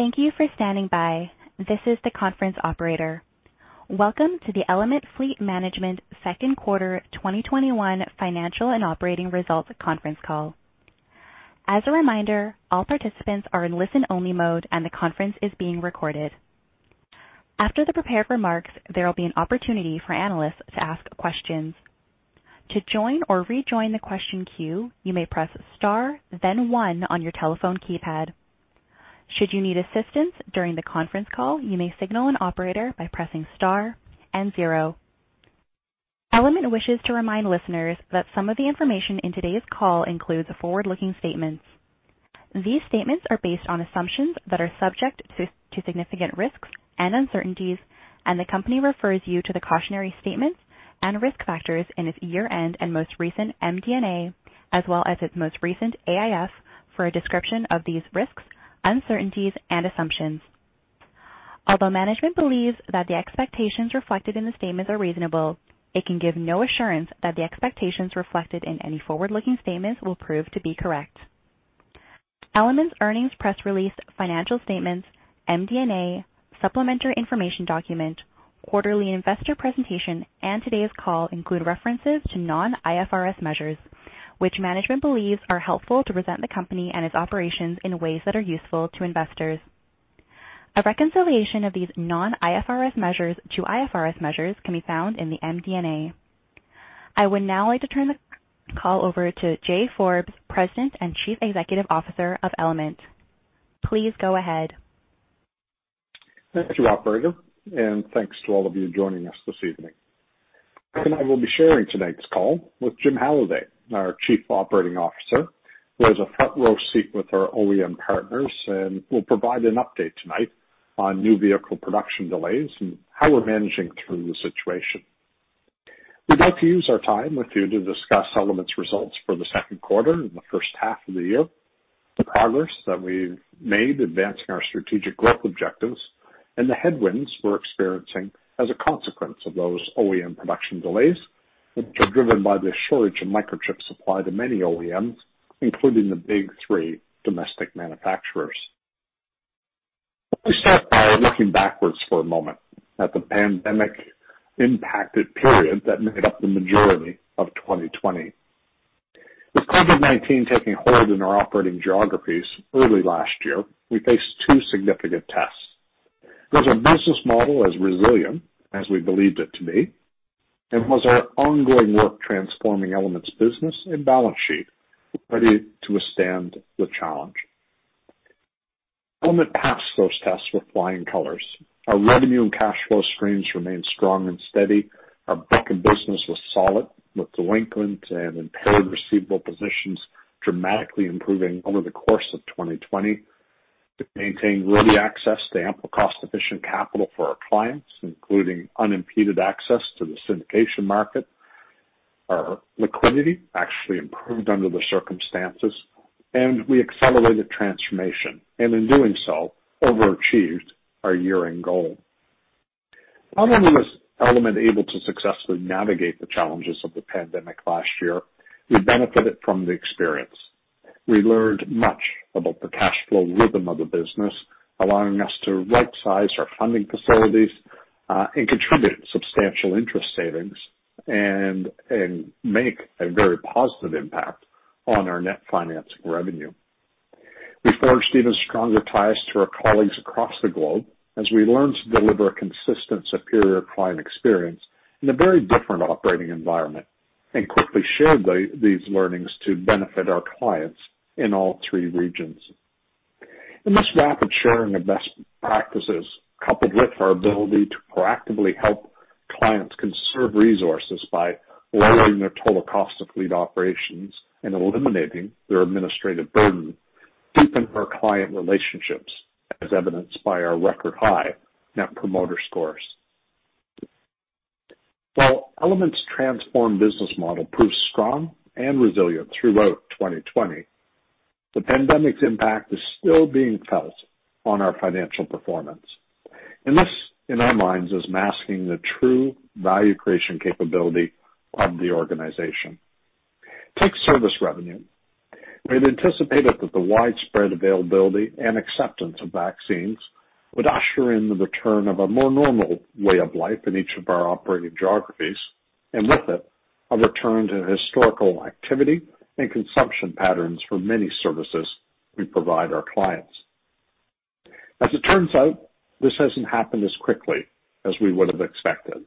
Thank you for standing by. This is the conference operator. Welcome to the Element Fleet Management second quarter 2021 financial and operating results conference call. As a reminder, all participants are in listen-only mode and the conference is being recorded. After the prepared remarks, there will be an opportunity for analysts to ask questions. To join or rejoin the question queue, you may press star then one on your telephone keypad. Should you need assistance during the conference call, you may signal an operator by pressing star and zero. Element wishes to remind listeners that some of the information in today's call includes forward-looking statements. These statements are based on assumptions that are subject to significant risks and uncertainties, and the company refers you to the cautionary statements and risk factors in its year-end and most recent MD&A, as well as its most recent AIF, for a description of these risks, uncertainties, and assumptions. Although management believes that the expectations reflected in the statements are reasonable, it can give no assurance that the expectations reflected in any forward-looking statements will prove to be correct. Element's earnings press release, financial statements, MD&A, supplementary information document, quarterly investor presentation, and today's call include references to non-IFRS measures, which management believes are helpful to present the company and its operations in ways that are useful to investors. A reconciliation of these non-IFRS measures to IFRS measures can be found in the MD&A. I would now like to turn the call over to Jay Forbes, President and Chief Executive Officer of Element. Please go ahead. Thank you, operator, and thanks to all of you joining us this evening. I will be sharing tonight's call with Jim Halliday, our Chief Operating Officer, who has a front-row seat with our OEM partners and will provide an update tonight on new vehicle production delays and how we're managing through the situation. We'd like to use our time with you to discuss Element's results for the second quarter and the first half of the year, the progress that we've made advancing our strategic growth objectives, and the headwinds we're experiencing as a consequence of those OEM production delays, which are driven by the shortage of microchip supply to many OEMs, including the Big Three domestic manufacturers. Let me start by looking backwards for a moment at the pandemic-impacted period that made up the majority of 2020. With COVID-19 taking hold in our operating geographies early last year, we faced two significant tests. Was our business model as resilient as we believed it to be, and was our ongoing work transforming Element's business and balance sheet ready to withstand the challenge? Element passed those tests with flying colors. Our revenue and cash flow streams remained strong and steady. Our book and business was solid, with delinquent and impaired receivable positions dramatically improving over the course of 2020. We maintained ready access to ample cost-efficient capital for our clients, including unimpeded access to the syndication market. Our liquidity actually improved under the circumstances, and we accelerated transformation, and in doing so, overachieved our year-end goal. Not only was Element able to successfully navigate the challenges of the pandemic last year, we benefited from the experience. We learned much about the cash flow rhythm of the business, allowing us to right-size our funding facilities, contribute substantial interest savings, and make a very positive impact on our net financing revenue. We forged even stronger ties to our colleagues across the globe as we learned to deliver a consistent, superior client experience in a very different operating environment and quickly shared these learnings to benefit our clients in all three regions. This rapid sharing of best practices, coupled with our ability to proactively help clients conserve resources by lowering their total cost of fleet operations and eliminating their administrative burden, deepened our client relationships, as evidenced by our record-high net promoter scores. While Element's transformed business model proved strong and resilient throughout 2020, the pandemic's impact is still being felt on our financial performance, and this, in our minds, is masking the true value creation capability of the organization. Take service revenue. We had anticipated that the widespread availability and acceptance of vaccines would usher in the return of a more normal way of life in each of our operating geographies, and with it, a return to historical activity and consumption patterns for many services we provide our clients. As it turns out, this hasn't happened as quickly as we would have expected.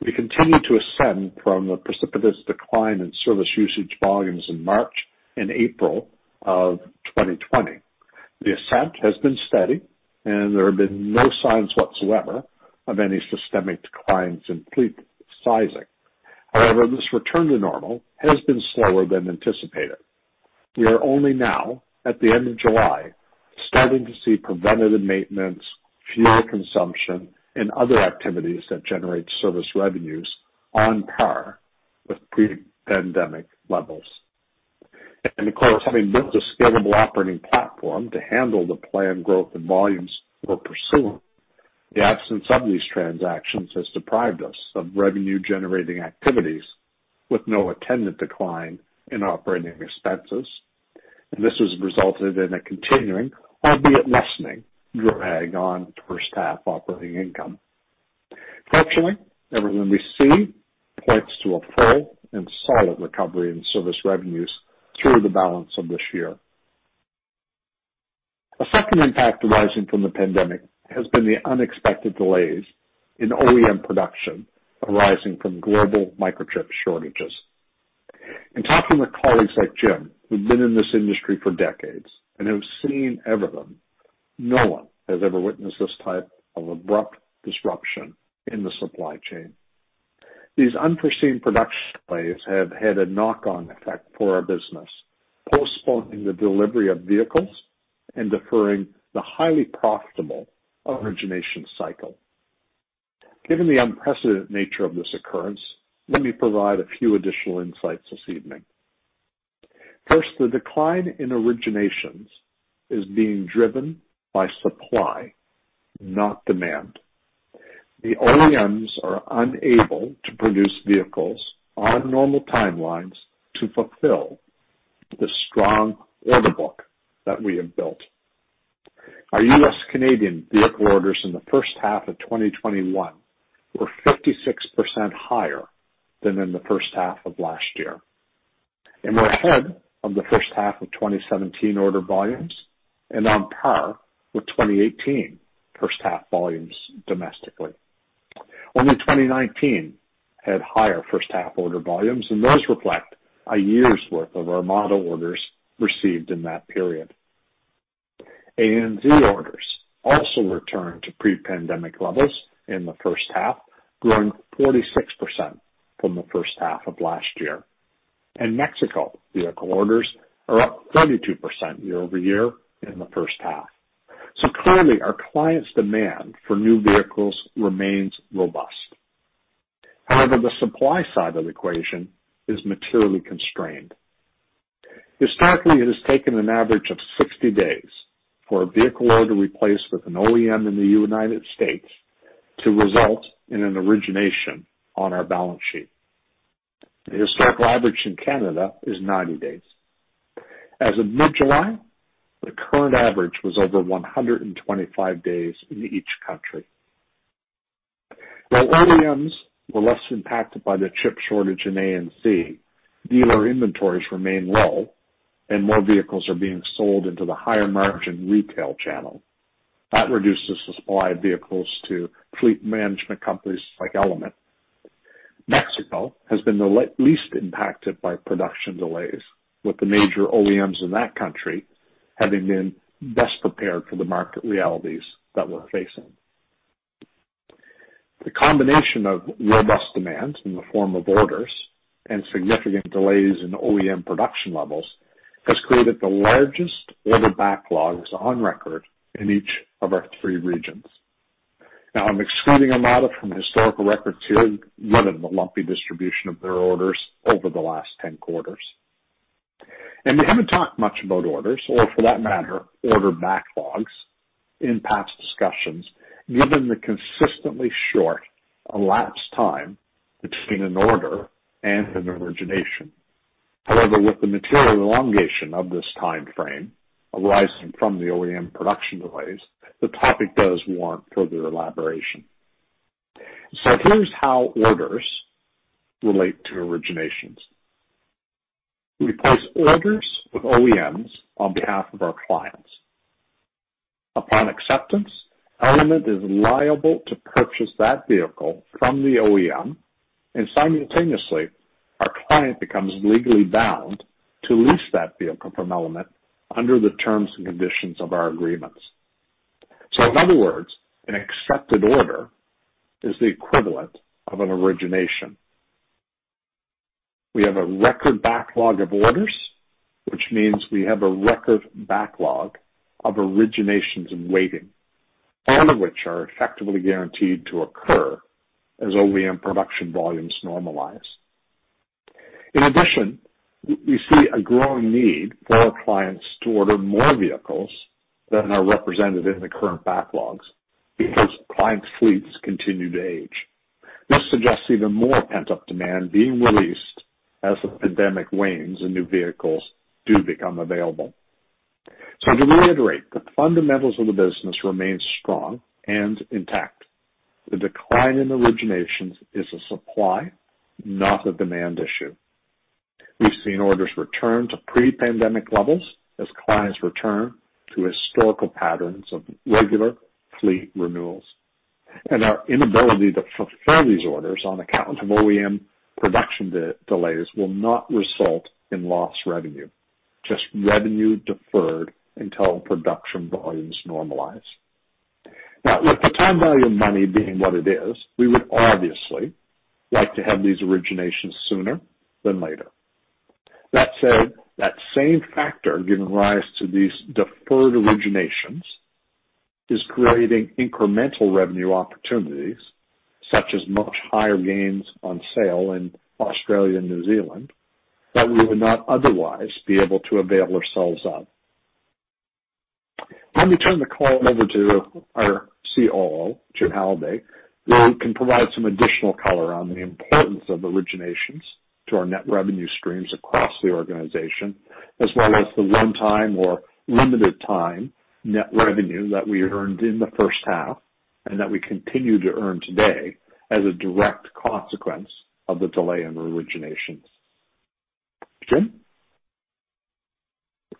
We continue to ascend from the precipitous decline in service usage volumes in March and April of 2020. The ascent has been steady, and there have been no signs whatsoever of any systemic declines in fleet sizing. However, this return to normal has been slower than anticipated. We are only now, at the end of July, starting to see preventative maintenance, fuel consumption, and other activities that generate service revenues on par with pre-pandemic levels. Of course, having built a scalable operating platform to handle the planned growth in volumes we're pursuing. The absence of these transactions has deprived us of revenue-generating activities with no attendant decline in operating expenses. This has resulted in a continuing, albeit lessening, drag on per-staff operating income. Fortunately, everything we see points to a full and solid recovery in service revenues through the balance of this year. A second impact arising from the pandemic has been the unexpected delays in OEM production arising from global microchip shortages. In talking with colleagues like Jim, who've been in this industry for decades and have seen everything, no one has ever witnessed this type of abrupt disruption in the supply chain. These unforeseen production delays have had a knock-on effect for our business, postponing the delivery of vehicles and deferring the highly profitable origination cycle. Given the unprecedented nature of this occurrence, let me provide a few additional insights this evening. First, the decline in originations is being driven by supply, not demand. The OEMs are unable to produce vehicles on normal timelines to fulfill the strong order book that we have built. Our U.S.-Canadian vehicle orders in the first half of 2021 were 56% higher than in the first half of last year, and we're ahead of the first half of 2017 order volumes and on par with 2018 first-half volumes domestically. Only 2019 had higher first half order volumes, and those reflect a year's worth of our model orders received in that period. ANZ orders also returned to pre-pandemic levels in the first half, growing 46% from the first half of last year. Mexico vehicle orders are up 32% year-over-year in the first half. Currently, our clients' demand for new vehicles remains robust. However, the supply side of the equation is materially constrained. Historically, it has taken an average of 60 days for a vehicle order replaced with an OEM in the United States to result in an origination on our balance sheet. The historical average in Canada is 90 days. As of mid-July, the current average was over 125 days in each country. While OEMs were less impacted by the chip shortage in ANZ, dealer inventories remain low, and more vehicles are being sold into the higher-margin retail channel. That reduces the supply of vehicles to fleet management companies like Element. Mexico has been the least impacted by production delays, with the major OEMs in that country having been best prepared for the market realities that we're facing. The combination of robust demands in the form of orders and significant delays in OEM production levels has created the largest order backlogs on record in each of our three regions. I'm excluding Armada from the historical record due to the lumpy distribution of their orders over the last 10 quarters. We haven't talked much about orders or for that matter, order backlogs in past discussions, given the consistently short elapsed time between an order and an origination. With the material elongation of this time frame arising from the OEM production delays, the topic does warrant further elaboration. Here's how orders relate to originations. We place orders with OEMs on behalf of our clients. Upon acceptance, Element is liable to purchase that vehicle from the OEM, and simultaneously, our client becomes legally bound to lease that vehicle from Element under the terms and conditions of our agreements. In other words, an accepted order is the equivalent of an origination. We have a record backlog of orders, which means we have a record backlog of originations in waiting, all of which are effectively guaranteed to occur as OEM production volumes normalize. In addition, we see a growing need for our clients to order more vehicles than are represented in the current backlogs because clients' fleets continue to age. This suggests even more pent-up demand being released as the pandemic wanes and new vehicles do become available. To reiterate, the fundamentals of the business remain strong and intact. The decline in originations is a supply, not a demand issue. We've seen orders return to pre-pandemic levels as clients return to historical patterns of regular fleet renewals, and our inability to fulfill these orders on account of OEM production de-delays will not result in lost revenue, just revenue deferred until production volumes normalize. With the time value of money being what it is, we would obviously like to have these originations sooner than later. That same factor giving rise to these deferred originations is creating incremental revenue opportunities such as much higher gains on sale in Australia and New Zealand that we would not otherwise be able to avail ourselves of. Let me turn the call over to our COO, Jim Halliday, who can provide some additional color on the importance of originations to our net revenue streams across the organization, as well as the one-time or limited-time net revenue that we earned in the first half, and that we continue to earn today as a direct consequence of the delay in originations. Jim?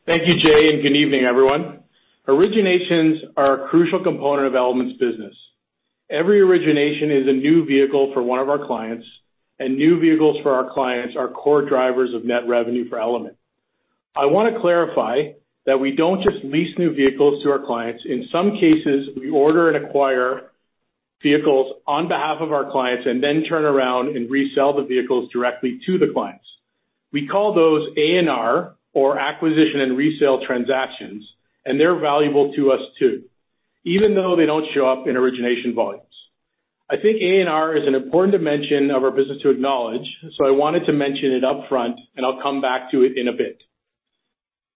Thank you, Jay. Good evening, everyone. Originations are a crucial component of Element's business. Every origination is a new vehicle for one of our clients, and new vehicles for our clients are core drivers of net revenue for Element. I want to clari that we don't just lease new vehicles to our clients. In some cases, we order and acquire vehicles on behalf of our clients and then turn around and resell the vehicles directly to the clients. We call those A&R, or acquisition and resale transactions, and they're valuable to us, too, even though they don't show up in origination volumes. I think A&R is an important dimension of our business to acknowledge, so I wanted to mention it upfront, and I'll come back to it in a bit.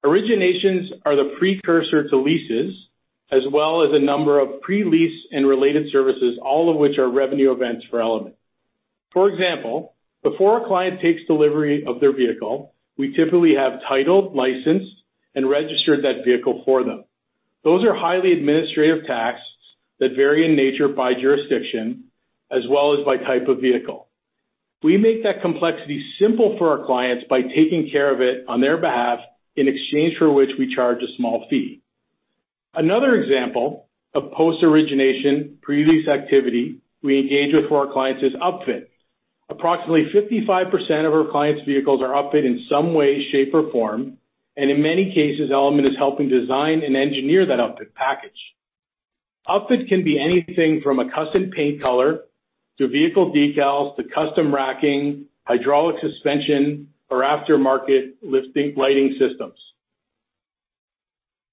Originations are the precursor to leases, as well as a number of pre-lease and related services, all of which are revenue events for Element. For example, before a client takes delivery of their vehicle, we typically have titled, licensed, and registered that vehicle for them. Those are highly administrative tasks that vary in nature by jurisdiction as well as by type of vehicle. We make that complexity simple for our clients by taking care of it on their behalf, in exchange for which we charge a small fee. Another example of post-origination, pre-lease activity we engage with for our clients is upfit. Approximately 55% of our clients' vehicles are upfit in some way, shape, or form, and in many cases, Element is helping design and engineer that upfit package. Upfit can be anything from a custom paint color, to vehicle decals, to custom racking, hydraulic suspension, or aftermarket lighting systems.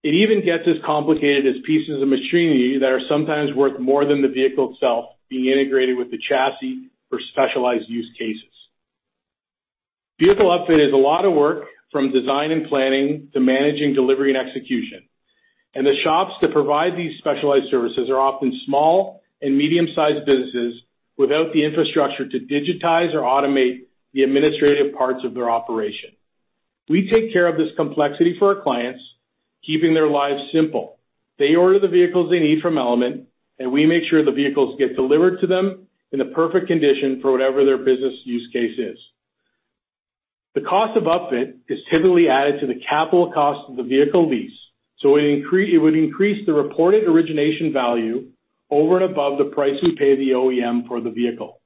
It even gets as complicated as pieces of machinery that are sometimes worth more than the vehicle itself being integrated with the chassis for specialized use cases. Vehicle upfit is a lot of work, from design and planning to managing delivery and execution. The shops that provide these specialized services are often small and medium-sized businesses without the infrastructure to digitize or automate the administrative parts of their operation. We take care of this complexity for our clients, keeping their lives simple. They order the vehicles they need from Element, and we make sure the vehicles get delivered to them in the perfect condition for whatever their business use case is. The cost of upfit is typically added to the capital cost of the vehicle lease, so it would increase the reported origination value over and above the price we pay the OEM for the vehicle.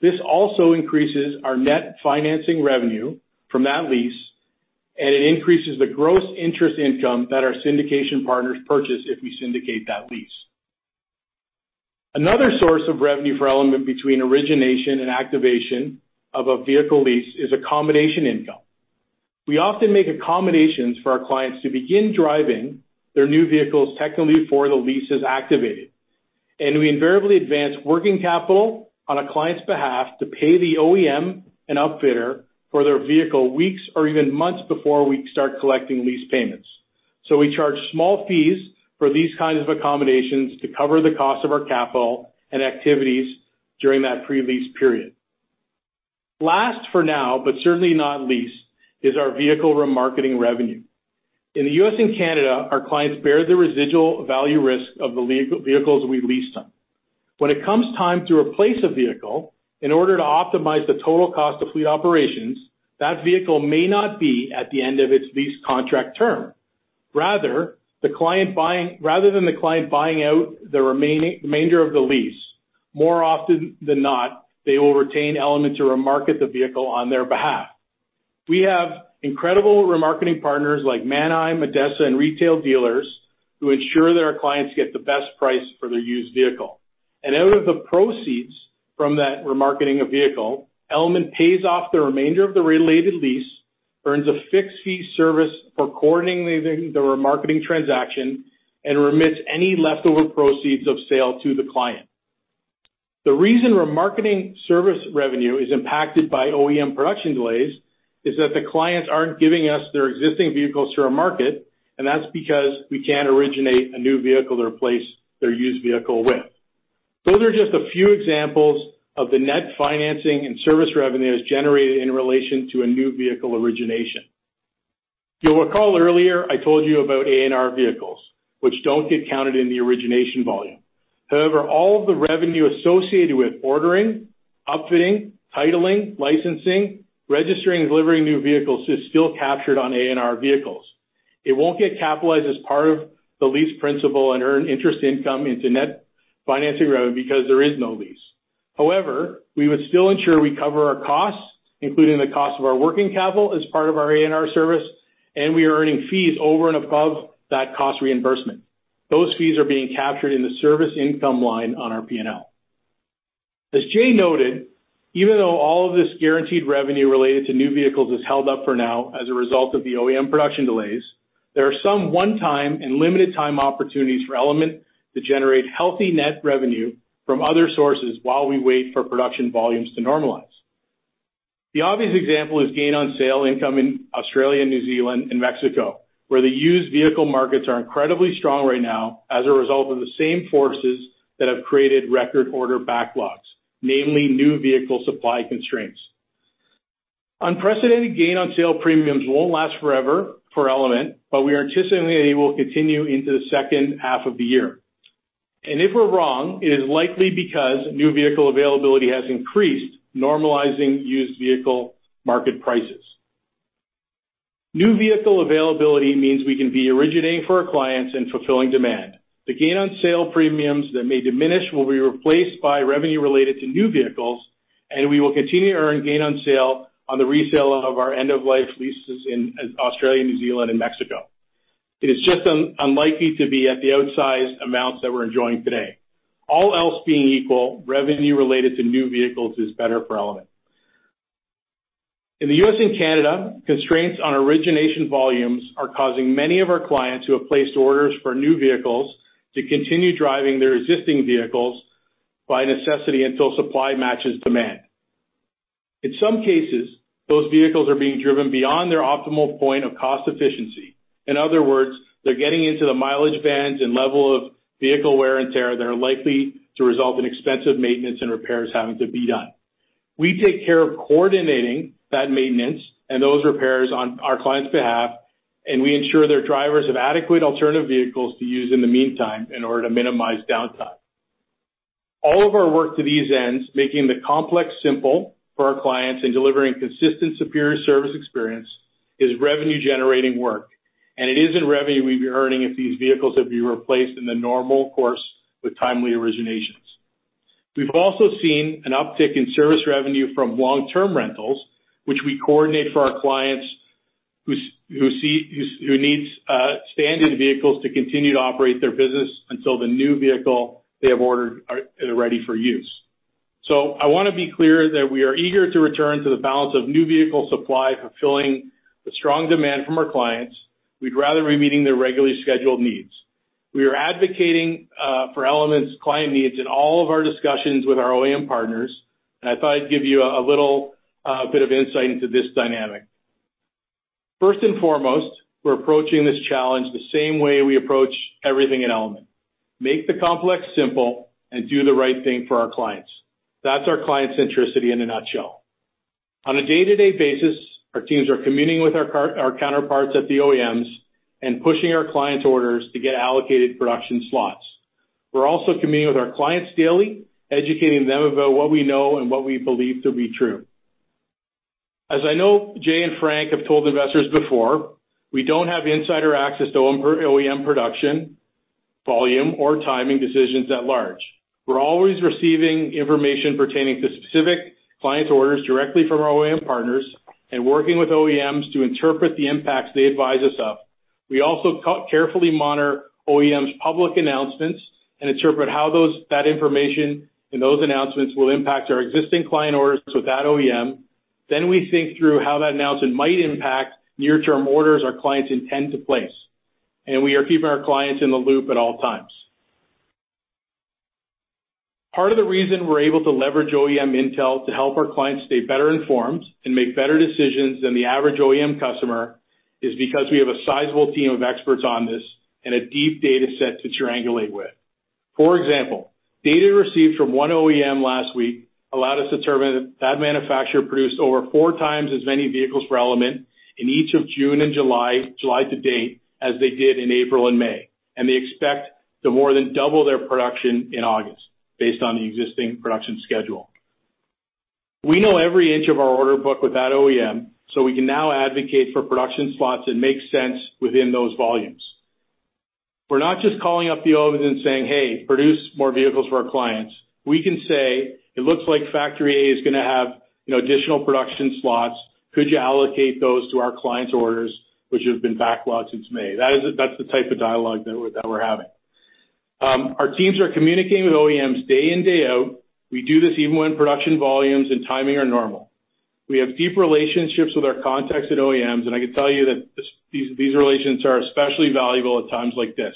This also increases our net financing revenue from that lease. It increases the gross interest income that our syndication partners purchase if we syndicate that lease. Another source of revenue for Element between origination and activation of a vehicle lease is accommodation income. We often make accommodations for our clients to begin driving their new vehicles technically before the lease is activated. We invariably advance working capital on a client's behalf to pay the OEM and upfitter for their vehicle weeks or even months before we start collecting lease payments. We charge small fees for these kinds of accommodations to cover the cost of our capital and activities during that pre-lease period. Last for now, certainly not least, is our vehicle remarketing revenue. In the U.S. and Canada, our clients bear the residual value risk of the vehicles we lease them. When it comes time to replace a vehicle, in order to optimize the total cost of fleet operations, that vehicle may not be at the end of its lease contract term. Rather than the client buying out the remainder of the lease, more often than not, they will retain Element to remarket the vehicle on their behalf. We have incredible remarketing partners like Manheim, ADESA, and retail dealers who ensure that our clients get the best price for their used vehicle. Out of the proceeds from that remarketing of vehicle, Element pays off the remainder of the related lease, earns a fixed-fee service for coordinating the remarketing transaction, and remits any leftover proceeds of sale to the client. The reason remarketing service revenue is impacted by OEM production delays is that the clients aren't giving us their existing vehicles to remarket, and that's because we can't originate a new vehicle to replace their used vehicle with. Those are just a few examples of the net financing and service revenues generated in relation to a new vehicle origination. You'll recall earlier I told you about A&R vehicles, which don't get counted in the origination volume. However, all of the revenue associated with ordering, upfitting, titling, licensing, registering, and delivering new vehicles is still captured on A&R vehicles. It won't get capitalized as part of the lease principal and earn interest income into net financing revenue because there is no lease. However, we would still ensure we cover our costs, including the cost of our working capital as part of our A&R service, and we are earning fees over and above that cost reimbursement. Those fees are being captured in the service income line on our P&L. As Jay noted. Even though all of this guaranteed revenue related to new vehicles is held up for now as a result of the OEM production delays, there are some one-time and limited-time opportunities for Element to generate healthy net revenue from other sources while we wait for production volumes to normalize. The obvious example is gain on sale income in Australia, New Zealand, and Mexico, where the used vehicle markets are incredibly strong right now as a result of the same forces that have created record order backlogs, namely new vehicle supply constraints. Unprecedented gain on sale premiums won't last forever for Element, we are anticipating they will continue into the second half of the year. If we're wrong, it is likely because new vehicle availability has increased, normalizing used vehicle market prices. New vehicle availability means we can be originating for our clients and fulfilling demand. The gain on sale premiums that may diminish will be replaced by revenue related to new vehicles, we will continue to earn gain on sale on the resale of our end-of-life leases in Australia, New Zealand, and Mexico. It is just unlikely to be at the outsized amounts that we're enjoying today. All else being equal, revenue related to new vehicles is better for Element. In the U.S. and Canada, constraints on origination volumes are causing many of our clients who have placed orders for new vehicles to continue driving their existing vehicles by necessity until supply matches demand. In some cases, those vehicles are being driven beyond their optimal point of cost efficiency. In other words, they're getting into the mileage bands and level of vehicle wear and tear that are likely to result in expensive maintenance and repairs having to be done. We take care of coordinating that maintenance and those repairs on our clients' behalf, and we ensure their drivers have adequate alternative vehicles to use in the meantime in order to minimize downtime. All of our work to these ends, making the complex simple for our clients and delivering consistent superior service experience, is revenue-generating work, and it isn't revenue we'd be earning if these vehicles had been replaced in the normal course with timely originations. We've also seen an uptick in service revenue from long-term rentals, which we coordinate for our clients who needs standard vehicles to continue to operate their business until the new vehicle they have ordered are ready for use. I want to be clear that we are eager to return to the balance of new vehicle supply fulfilling the strong demand from our clients. We'd rather be meeting their regularly scheduled needs. We are advocating for Element's client needs in all of our discussions with our OEM partners, and I thought I'd give you a little bit of insight into this dynamic. First and foremost, we're approaching this challenge the same way we approach everything at Element: Make the complex simple and do the right thing for our clients. That's our client centricity in a nutshell. On a day-to-day basis, our teams are communing with our counterparts at the OEMs and pushing our clients' orders to get allocated production slots. We're also communing with our clients daily, educating them about what we know and what we believe to be true. As I know Jay and Frank have told investors before, we don't have insider access to OEM production, volume, or timing decisions at large. We're always receiving information pertaining to specific clients' orders directly from our OEM partners and working with OEMs to interpret the impacts they advise us of. We also carefully monitor OEMs' public announcements and interpret how that information in those announcements will impact our existing client orders with that OEM. We think through how that announcement might impact near-term orders our clients intend to place, and we are keeping our clients in the loop at all times. Part of the reason we're able to leverage OEM intel to help our clients stay better informed and make better decisions than the average OEM customer is because we have a sizable team of experts on this and a deep data set to triangulate with. For example, data received from one OEM last week allowed us to determine that manufacturer produced over four times as many vehicles for Element in each of June and July to date as they did in April and May, and they expect to more than 2x their production in August based on the existing production schedule. We know every inch of our order book with that OEM, so we can now advocate for production slots that make sense within those volumes. We're not just calling up the OEMs and saying, "Hey, produce more vehicles for our clients." We can say, "It looks like factory A is going to have additional production slots. Could you allocate those to our clients' orders which have been backlogged since May?" That's the type of dialogue that we're having. Our teams are communicating with OEMs day in, day out. We do this even when production volumes and timing are normal. We have deep relationships with our contacts at OEMs, and I can tell you that these relations are especially valuable at times like this.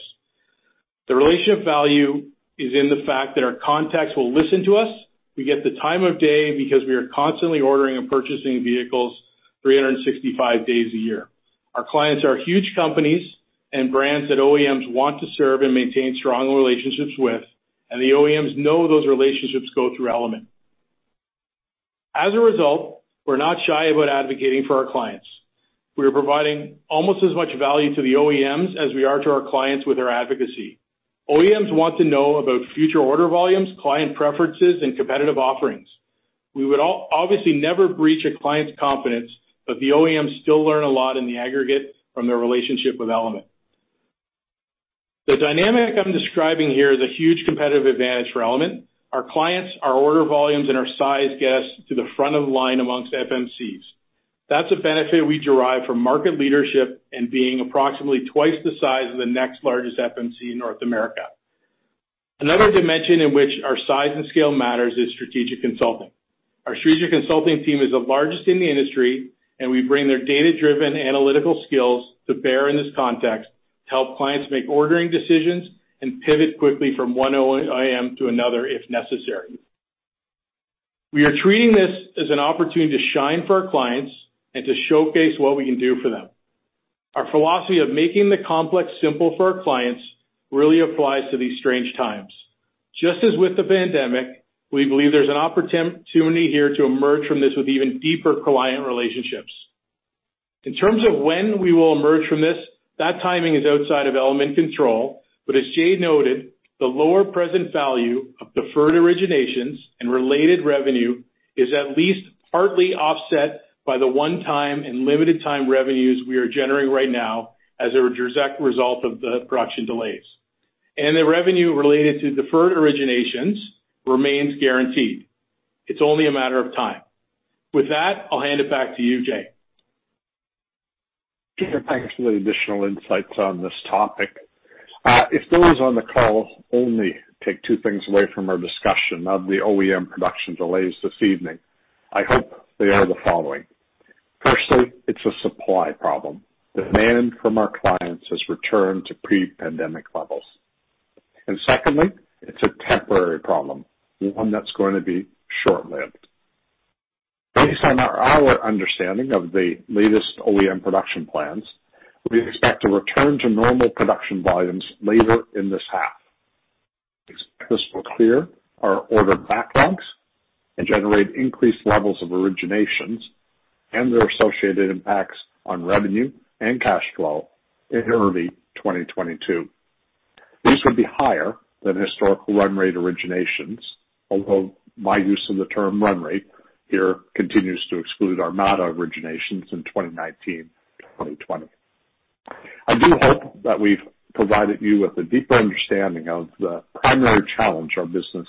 The relationship value is in the fact that our contacts will listen to us. We get the time of day because we are constantly ordering and purchasing vehicles 365 days a year. Our clients are huge companies and brands that OEMs want to serve and maintain strong relationships with, and the OEMs know those relationships go through Element. As a result, we're not shy about advocating for our clients. We are providing almost as much value to the OEMs as we are to our clients with our advocacy. OEMs want to know about future order volumes, client preferences, and competitive offerings. We would obviously never breach a client's confidence, but the OEMs still learn a lot in the aggregate from their relationship with Element. The dynamic I'm describing here is a huge competitive advantage for Element. Our clients, our order volumes, and our size gets to the front of the line amongst FMCs. That's a benefit we derive from market leadership and being approximately twice the size of the next largest FMC in North America. Another dimension in which our size and scale matters is strategic consulting. Our strategic consulting team is the largest in the industry, and we bring their data-driven analytical skills to bear in this context to help clients make ordering decisions and pivot quickly from one OEM to another if necessary. We are treating this as an opportunity to shine for our clients and to showcase what we can do for them. Our philosophy of making the complex simple for our clients really applies to these strange times. Just as with the pandemic, we believe there's an opportunity here to emerge from this with even deeper client relationships. In terms of when we will emerge from this, that timing is outside of Element control. As Jay noted, the lower present value of deferred originations and related revenue is at least partly offset by the one-time and limited-time revenues we are generating right now as a direct result of the production delays, and the revenue related to deferred originations remains guaranteed. It's only a matter of time. With that, I'll hand it back to you, Jay. thanks for the additional insights on this topic. If those on the call only take two things away from our discussion of the OEM production delays this evening, I hope they are the following. Firstly, it's a supply problem. Demand from our clients has returned to pre-pandemic levels. Secondly, it's a temporary problem, one that's going to be short-lived. Based on our understanding of the latest OEM production plans, we expect to return to normal production volumes later in this half. We expect this will clear our order backlogs and generate increased levels of originations and their associated impacts on revenue and cash flow in early 2022. These will be higher than historical run rate originations, although my use of the term run rate here continues to exclude our MD&A originations in 2019, 2020. I do hope that we've provided you with a deeper understanding of the primary challenge our business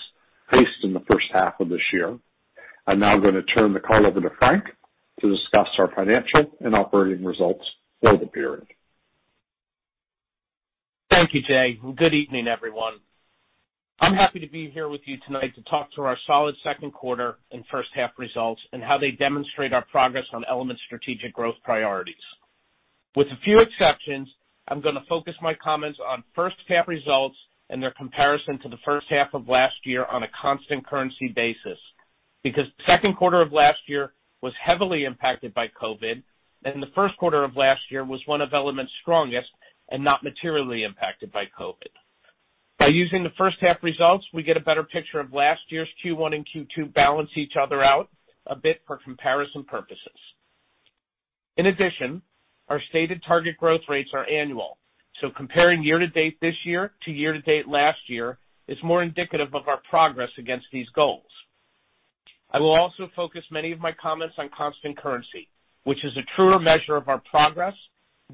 faced in the first half of this year. I'm now going to turn the call over to Frank to discuss our financial and operating results for the period. Thank you, Jay, and good evening, everyone. I'm happy to be here with you tonight to talk through our solid second quarter and first half results and how they demonstrate our progress on Element's strategic growth priorities. With a few exceptions, I'm going to focus my comments on first half results and their comparison to the first half of last year on a constant currency basis, because second quarter of last year was heavily impacted by COVID, and the first quarter of last year was one of Element's strongest and not materially impacted by COVID. By using the first half results, we get a better picture of last year's Q1 and Q2 balance each other out a bit for comparison purposes. In addition, our stated target growth rates are annual, comparing year-to-date this year to year-to-date last year is more indicative of our progress against these goals. I will also focus many of my comments on constant currency, which is a truer measure of our progress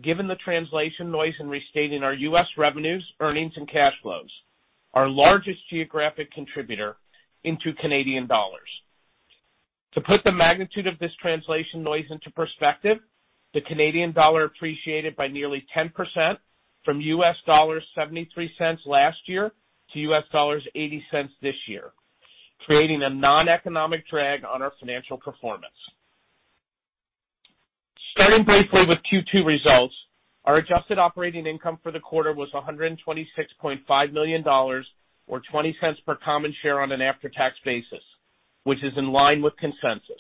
given the translation noise in restating our U.S. revenues, earnings, and cash flows, our largest geographic contributor into Canadian dollars. To put the magnitude of this translation noise into perspective, the Canadian dollar appreciated by nearly 10% from $0.73 last year to $0.80 this year, creating a noneconomic drag on our financial performance. Starting briefly with Q2 results, our adjusted operating income for the quarter was $126.5 million, or $0.20 per common share on an after-tax basis, which is in line with consensus.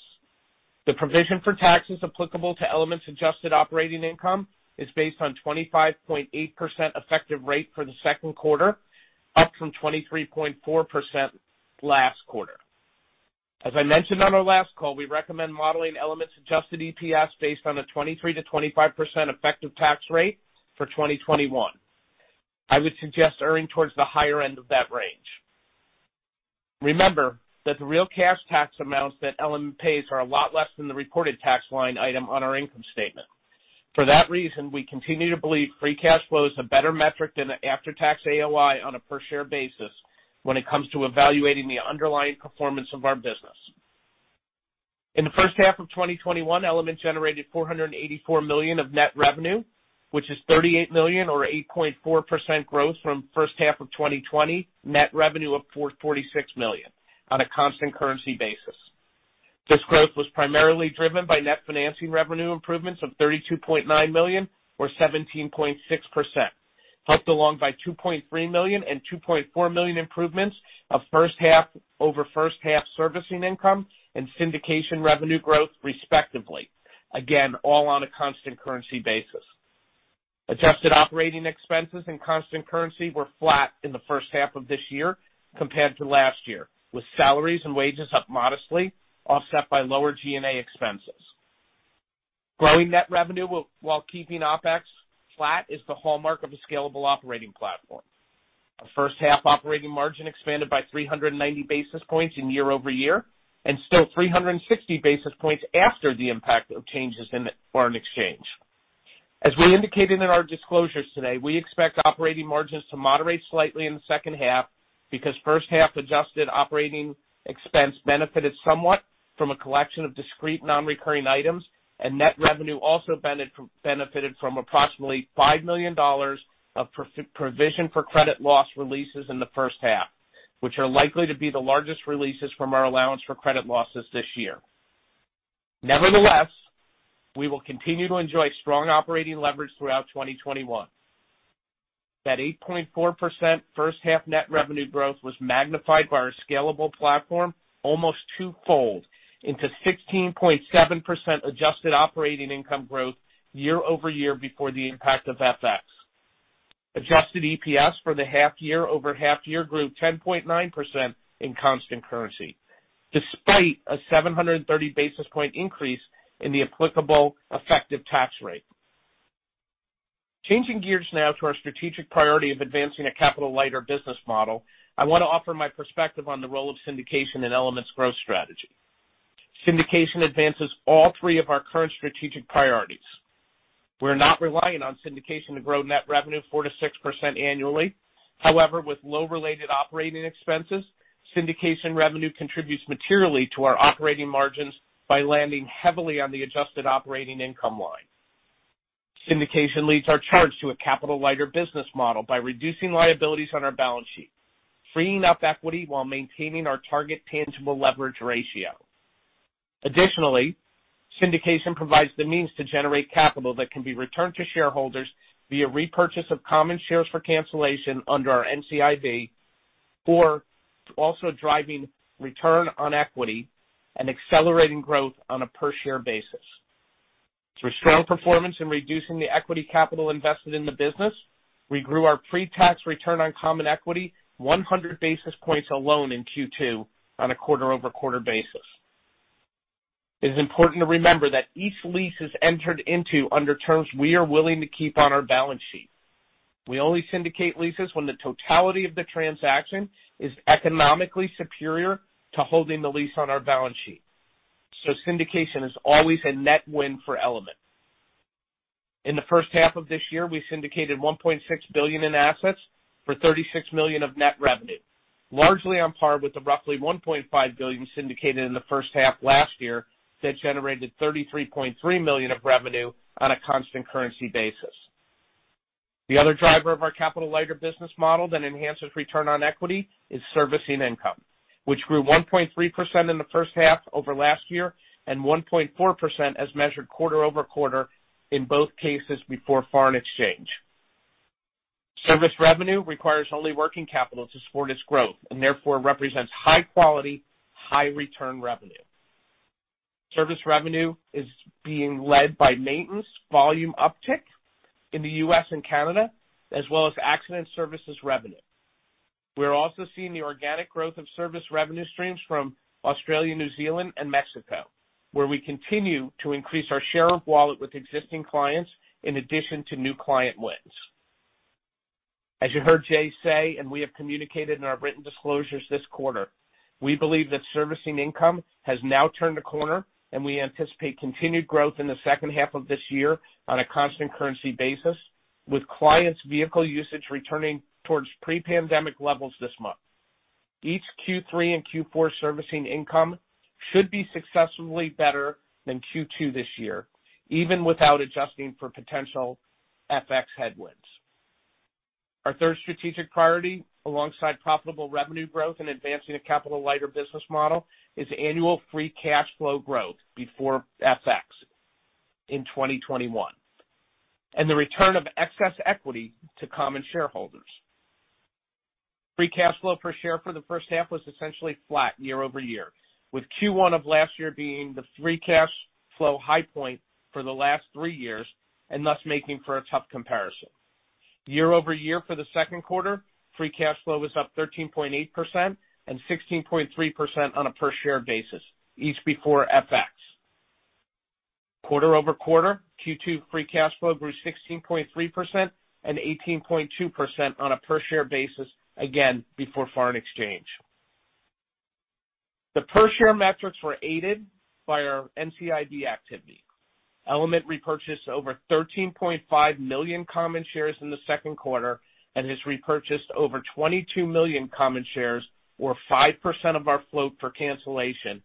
The provision for taxes applicable to Element's adjusted operating income is based on 25.8% effective rate for the second quarter, up from 23.4% last quarter. As I mentioned on our last call, we recommend modeling Element's adjusted EPS based on a 23%-25% effective tax rate for 2021. I would suggest earning towards the higher end of that range. Remember that the real cash tax amounts that Element pays are a lot less than the reported tax line item on our income statement. For that reason, we continue to believe free cash flow is a better metric than an after-tax AOI on a per-share basis when it comes to evaluating the underlying performance of our business. In the first half of 2021, Element generated $484 million of net revenue, which is $38 million or 8.4% growth from first half of 2020 net revenue of $446 million on a constant currency basis. This growth was primarily driven by net financing revenue improvements of $32.9 million or 17.6%, helped along by $2.3 million and $2.4 million improvements of first half over first half servicing income and syndication revenue growth, respectively. Again, all on a constant currency basis. Adjusted operating expenses and constant currency were flat in the first half of this year compared to last year, with salaries and wages up modestly, offset by lower G&A expenses. Growing net revenue while keeping OpEx flat is the hallmark of a scalable operating platform. Our first half operating margin expanded by 390 basis points year-over-year and still 360 basis points after the impact of changes in foreign exchange. As we indicated in our disclosures today, we expect operating margins to moderate slightly in the second half because first half adjusted operating expense benefited somewhat from a collection of discrete non-recurring items, and net revenue also benefited from approximately $5 million of provision for credit loss releases in the first half, which are likely to be the largest releases from our allowance for credit losses this year. We will continue to enjoy strong operating leverage throughout 2021. That 8.4% first-half net revenue growth was magnified by our scalable platform almost twofold into 16.7% adjusted operating income growth year-over-year before the impact of FX. Adjusted EPS for the half year over half year grew 10.9% in constant currency, despite a 730 basis point increase in the applicable effective tax rate. Changing gears now to our strategic priority of advancing a capital-lighter business model, I want to offer my perspective on the role of syndication in Element's growth strategy. Syndication advances all three of our current strategic priorities. We're not relying on syndication to grow net revenue 4%-6% annually. However, with low related operating expenses, syndication revenue contributes materially to our operating margins by landing heavily on the adjusted operating income line. Syndication leads our charge to a capital-lighter business model by reducing liabilities on our balance sheet, freeing up equity while maintaining our target tangible leverage ratio. Additionally, syndication provides the means to generate capital that can be returned to shareholders via repurchase of common shares for cancellation under our NCIB, or also driving return on equity and accelerating growth on a per-share basis. Through strong performance in reducing the equity capital invested in the business, we grew our pre-tax return on common equity 100 basis points alone in Q2 on a quarter-over-quarter basis. It is important to remember that each lease is entered into under terms we are willing to keep on our balance sheet. We only syndicate leases when the totality of the transaction is economically superior to holding the lease on our balance sheet. Syndication is always a net win for Element. In the first half of this year, we syndicated $1.6 billion in assets for $36 million of net revenue, largely on par with the roughly $1.5 billion syndicated in the first half last year that generated $33.3 million of revenue on a constant currency basis. The other driver of our capital-lighter business model that enhances return on equity is servicing income, which grew 1.3% in the first half over last year and 1.4% as measured quarter-over-quarter in both cases before foreign exchange. Service revenue requires only working capital to support its growth and therefore represents high-quality, high-return revenue. Service revenue is being led by maintenance volume uptick in the U.S. and Canada, as well as accident services revenue. We're also seeing the organic growth of service revenue streams from Australia, New Zealand, and Mexico, where we continue to increase our share of wallet with existing clients in addition to new client wins. As you heard Jay say, and we have communicated in our written disclosures this quarter, we believe that servicing income has now turned a corner, and we anticipate continued growth in the second half of this year on a constant currency basis, with clients' vehicle usage returning towards pre-pandemic levels this month. Each Q3 and Q4 servicing income should be successfully better than Q2 this year, even without adjusting for potential FX headwinds. Our third strategic priority, alongside profitable revenue growth and advancing a capital-lighter business model, is annual free cash flow growth before FX in 2021, and the return of excess equity to common shareholders. Free cash flow per share for the first half was essentially flat year-over-year, with Q1 of last year being the free cash flow high point for the last three years and thus making for a tough comparison. year-over-year for the second quarter, free cash flow was up 13.8% and 16.3% on a per-share basis, each before FX. Quarter-over-quarter, Q2 free cash flow grew 16.3% and 18.2% on a per-share basis, again, before foreign exchange. The per-share metrics were aided by our NCIB activity. Element repurchased over 13.5 million common shares in the second quarter and has repurchased over 22 million common shares, or 5% of our float for cancellation,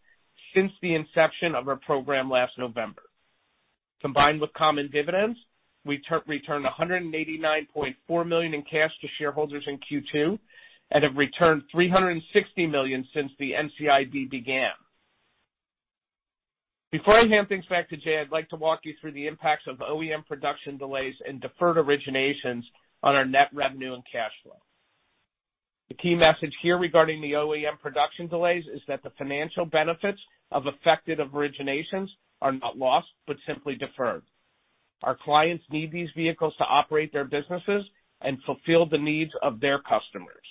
since the inception of our program last November. Combined with common dividends, we returned $189.4 million in cash to shareholders in Q2 and have returned $360 million since the NCIB began. Before I hand things back to Jay, I'd like to walk you through the impacts of OEM production delays and deferred originations on our net revenue and cash flow. The key message here regarding the OEM production delays is that the financial benefits of affected originations are not lost, but simply deferred. Our clients need these vehicles to operate their businesses and fulfill the needs of their customers.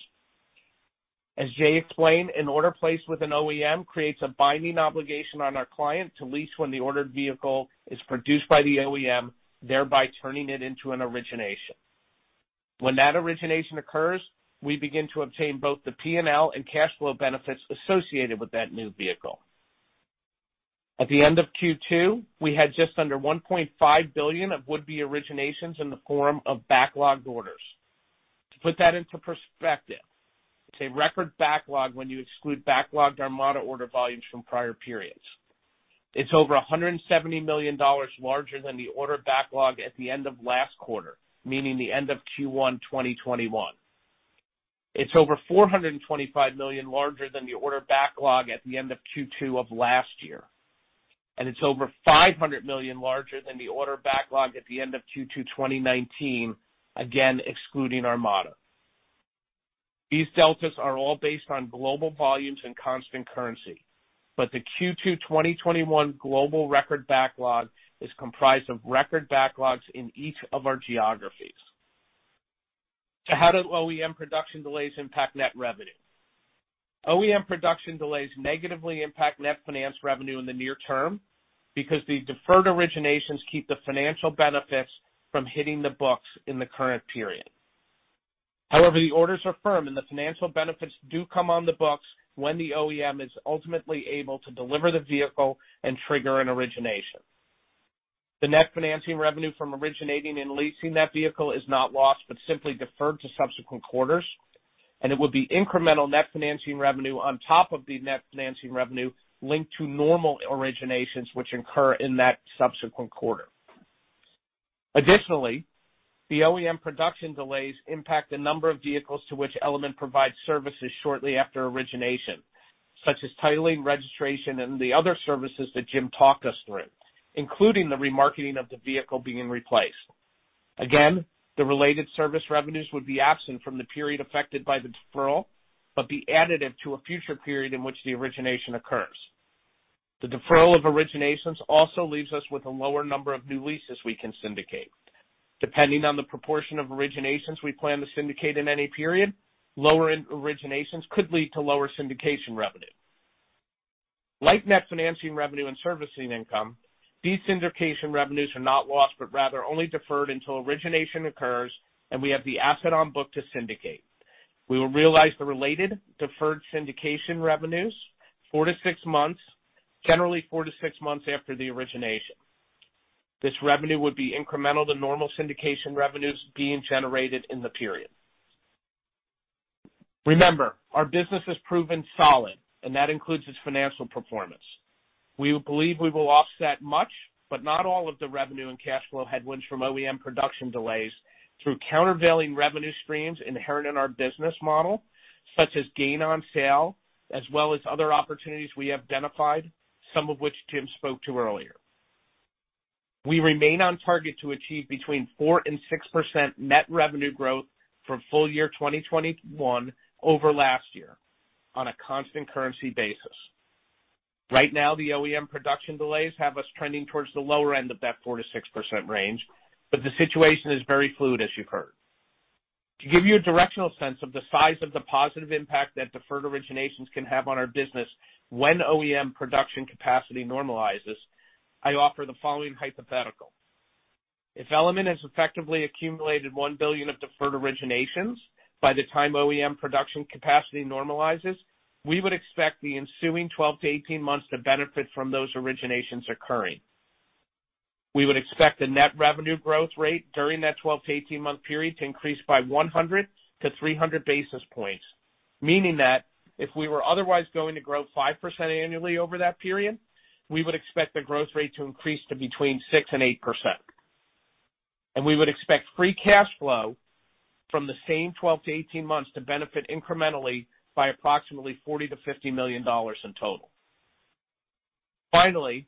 As Jay explained, an order placed with an OEM creates a binding obligation on our client to lease when the ordered vehicle is produced by the OEM, thereby turning it into an origination. When that origination occurs, we begin to obtain both the P&L and cash flow benefits associated with that new vehicle. At the end of Q2, we had just under $1.5 billion of would-be originations in the form of backlogged orders. To put that into perspective, it's a record backlog when you exclude backlogged Armada order volumes from prior periods. It's over $170 million larger than the order backlog at the end of last quarter, meaning the end of Q1 2021. It's over $425 million larger than the order backlog at the end of Q2 of last year. It's over $500 million larger than the order backlog at the end of Q2 2019, again, excluding Armada. These deltas are all based on global volumes and constant currency, but the Q2 2021 global record backlog is comprised of record backlogs in each of our geographies. How do OEM production delays impact net revenue? OEM production delays negatively impact net finance revenue in the near term because the deferred originations keep the financial benefits from hitting the books in the current period. However, the orders are firm and the financial benefits do come on the books when the OEM is ultimately able to deliver the vehicle and trigger an origination. The net financing revenue from originating and leasing that vehicle is not lost but simply deferred to subsequent quarters, and it would be incremental net financing revenue on top of the net financing revenue linked to normal originations which incur in that subsequent quarter. Additionally, the OEM production delays impact the number of vehicles to which Element provides services shortly after origination, such as titling, registration, and the other services that Jim talked us through, including the remarketing of the vehicle being replaced. The related service revenues would be absent from the period affected by the deferral but be additive to a future period in which the origination occurs. The deferral of originations also leaves us with a lower number of new leases we can syndicate. Depending on the proportion of originations we plan to syndicate in any period, lower end originations could lead to lower syndication revenue. Like net financing revenue and servicing income, these syndication revenues are not lost, but rather only deferred until origination occurs and we have the asset on book to syndicate. We will realize the related deferred syndication revenues generally four to six months after the origination. This revenue would be incremental to normal syndication revenues being generated in the period. Our business has proven solid, and that includes its financial performance. We believe we will offset much but not all of the revenue and cash flow headwinds from OEM production delays through countervailing revenue streams inherent in our business model, such as gain on sale, as well as other opportunities we have identified, some of which Jim Halliday spoke to earlier. We remain on target to achieve between 4% and 6% net revenue growth for full-year 2021 over last year on a constant currency basis. Right now, the OEM production delays have us trending towards the lower end of that 4%-6% range, but the situation is very fluid, as you've heard. To give you a directional sense of the size of the positive impact that deferred originations can have on our business when OEM production capacity normalizes, I offer the following hypothetical. If Element has effectively accumulated $1 billion of deferred originations by the time OEM production capacity normalizes, we would expect the ensuing 12-18 months to benefit from those originations occurring. We would expect the net revenue growth rate during that 12-18 month period to increase by 100-300 basis points, meaning that if we were otherwise going to grow 5% annually over that period, we would expect the growth rate to increase to between 6% and 8%. We would expect free cash flow from the same 12-18 months to benefit incrementally by approximately $40 million-$50 million in total. Finally,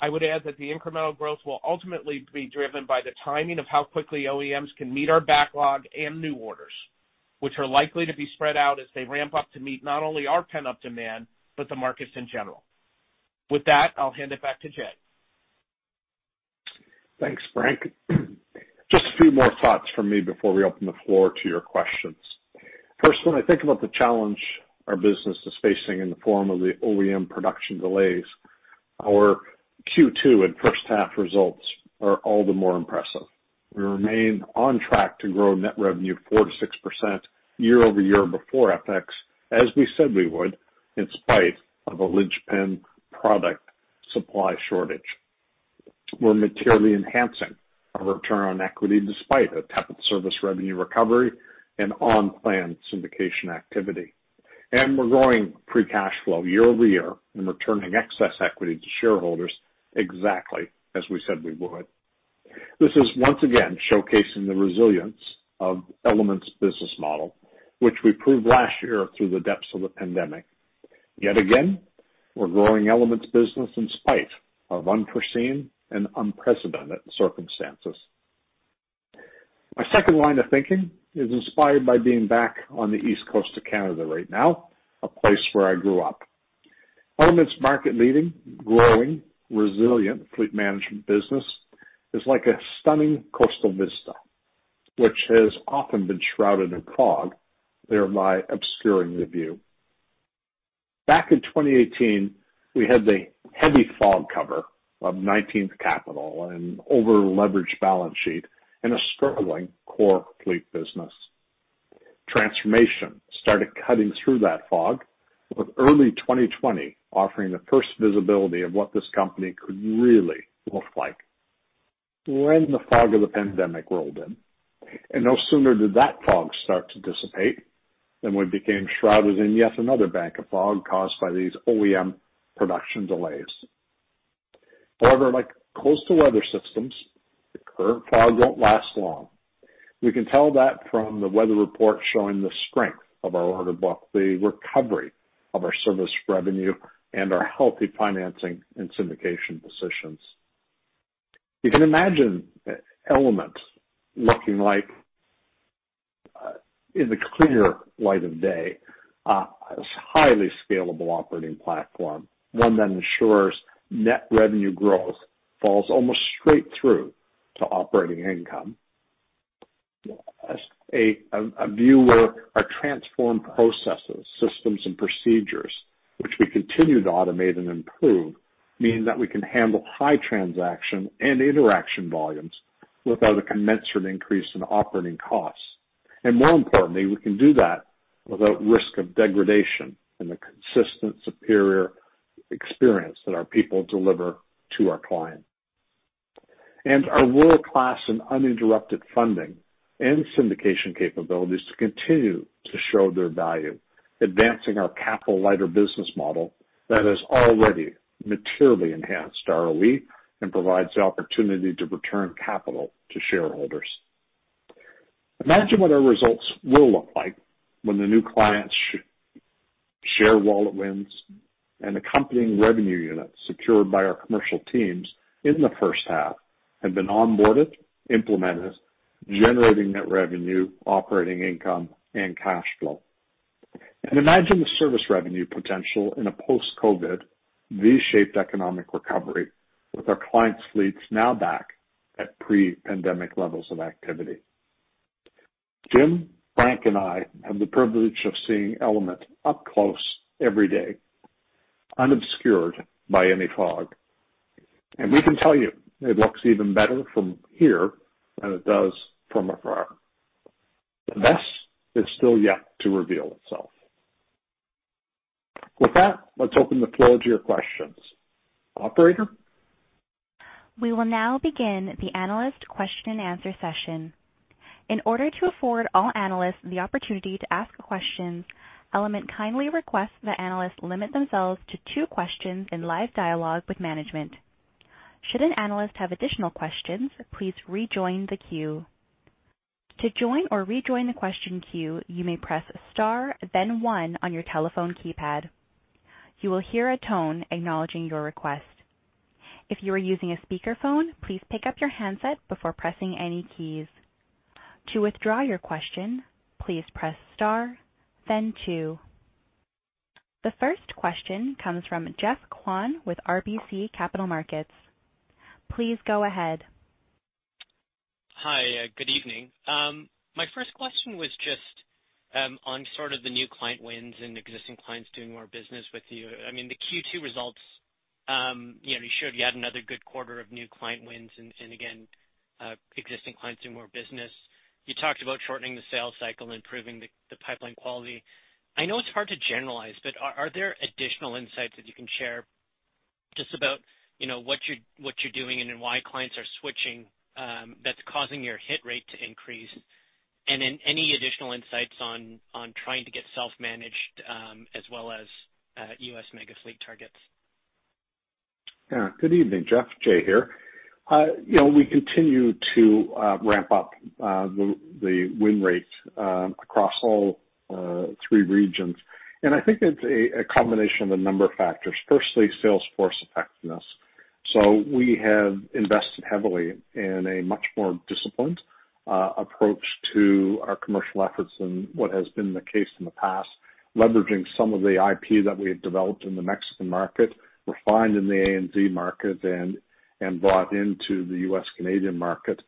I would add that the incremental growth will ultimately be driven by the timing of how quickly OEMs can meet our backlog and new orders, which are likely to be spread out as they ramp up to meet not only our pent-up demand but the markets in general. With that, I'll hand it back to Jay. Thanks, Frank. Just a few more thoughts from me before we open the floor to your questions. First, when I think about the challenge our business is facing in the form of the OEM production delays, our Q2 and first-half results are all the more impressive. We remain on track to grow net revenue 4%-6% year-over-year before FX, as we said we would, in spite of a linchpin product supply shortage. We're materially enhancing our return on equity despite a tepid service revenue recovery and on-plan syndication activity. We're growing free cash flow year-over-year and returning excess equity to shareholders exactly as we said we would. This is once again showcasing the resilience of Element's business model, which we proved last year through the depths of the pandemic. Yet again, we're growing Element's business in spite of unforeseen and unprecedented circumstances. My second line of thinking is inspired by being back on the east coast of Canada right now, a place where I grew up. Element's market-leading, growing, resilient fleet management business is like a stunning coastal vista, which has often been shrouded in fog, thereby obscuring the view. Back in 2018, we had the heavy fog cover of 19th Capital and over-leveraged balance sheet and a struggling core fleet business. Transformation started cutting through that fog, with early 2020 offering the first visibility of what this company could really look like. When the fog of the pandemic rolled in, and no sooner did that fog start to dissipate than we became shrouded in yet another bank of fog caused by these OEM production delays. However, like coastal weather systems, the current fog won't last long. We can tell that from the weather report showing the strength of our order book, the recovery of our service revenue, and our healthy financing and syndication positions. You can imagine Element looking like, in the clear light of day, a highly scalable operating platform, one that ensures net revenue growth falls almost straight through to operating income. Our transformed processes, systems, and procedures, which we continue to automate and improve, mean that we can handle high transaction and interaction volumes without a commensurate increase in operating costs. More importantly, we can do that without risk of degradation in the consistent, superior experience that our people deliver to our clients. Our world-class and uninterrupted funding and syndication capabilities continue to show their value, advancing our capital-lighter business model that has already materially enhanced our ROE and provides the opportunity to return capital to shareholders. Imagine what our results will look like when the new clients share wallet wins and accompanying revenue units secured by our commercial teams in the first half have been onboarded, implemented, generating net revenue, operating income, and cash flow. Imagine the service revenue potential in a post-COVID V-shaped economic recovery with our clients' fleets now back at pre-pandemic levels of activity. Jim, Frank, and I have the privilege of seeing Element up close every day, unobscured by any fog, and we can tell you it looks even better from here than it does from afar. The best is still yet to reveal itself. With that, let's open the floor to your questions. Operator? We will now begin the analyst question and answer session. In order to afford all analysts the opportunity to ask questions, Element kindly requests that analysts limit themselves to two questions in live dialogue with management. Should an analyst have additional questions, please rejoin the queue. To join or rejoin the question queue, you may press star then one on your telephone keypad. You will hear a tone acknowledging your request. If you are using a speakerphone, please pick up your headset before pressing any keys. To withdraw your question, please press star then two. The first question comes from Geoff Kwan with RBC Capital Markets. Please go ahead. Hi. Good evening. My first question was just on sort of the new client wins and existing clients doing more business with you. I mean, the Q2 results, you showed you had another good quarter of new client wins and again, existing clients doing more business. You talked about shortening the sales cycle, improving the pipeline quality. I know it's hard to generalize, but are there additional insights that you can share just about what you're doing and why clients are switching that's causing your hit rate to increase? Then any additional insights on trying to get self-managed as well as U.S. mega fleet targets? Yeah. Good evening, Geoff. Jay here. We continue to ramp up the win rates across all three regions, and I think it's a combination of a number of factors. Firstly, sales force effectiveness. We have invested heavily in a much more disciplined approach to our commercial efforts than what has been the case in the past, leveraging some of the IP that we had developed in the Mexican market, refined in the ANZ market, and brought into the U.S.-Canadian market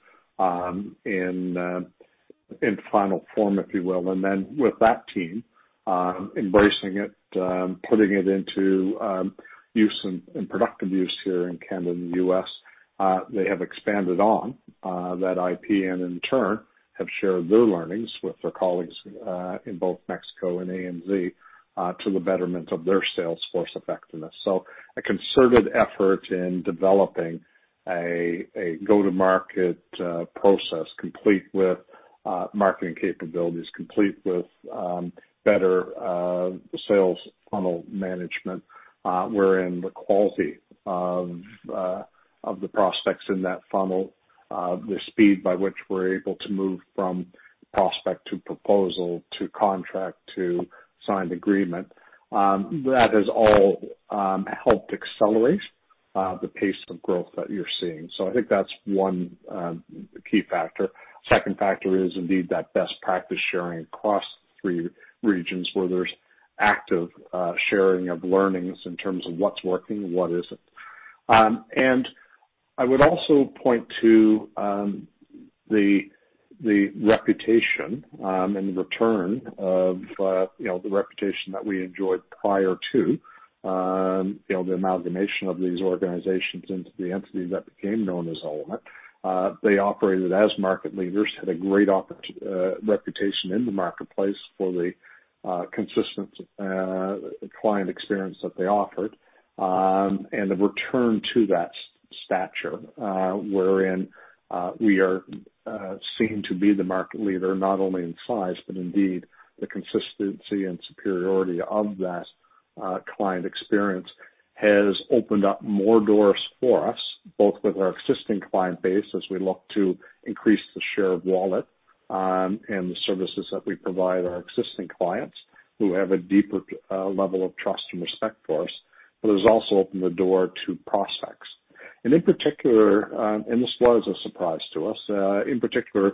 in final form, if you will. With that team, embracing it, putting it into use and productive use here in Canada and the U.S., they have expanded on that IP and in turn have shared their learnings with their colleagues, in both Mexico and ANZ, to the betterment of their sales force effectiveness. A concerted effort in developing a go-to-market process complete with marketing capabilities, complete with better sales funnel management, wherein the quality of the prospects in that funnel, the speed by which we're able to move from prospect to proposal to contract to signed agreement. That has all helped accelerate the pace of growth that you're seeing. I think that's one key factor. Second factor is indeed that best practice sharing across three regions where there's active sharing of learnings in terms of what's working and what isn't. I would also point to the reputation and the return of the reputation that we enjoyed prior to the amalgamation of these organizations into the entity that became known as Element. They operated as market leaders, had a great reputation in the marketplace for the consistent client experience that they offered, and the return to that stature wherein we are seen to be the market leader, not only in size, but indeed the consistency and superiority of that client experience has opened up more doors for us, both with our existing client base as we look to increase the share of wallet and the services that we provide our existing clients, who have a deeper level of trust and respect for us, but has also opened the door to prospects. This was a surprise to us. In particular,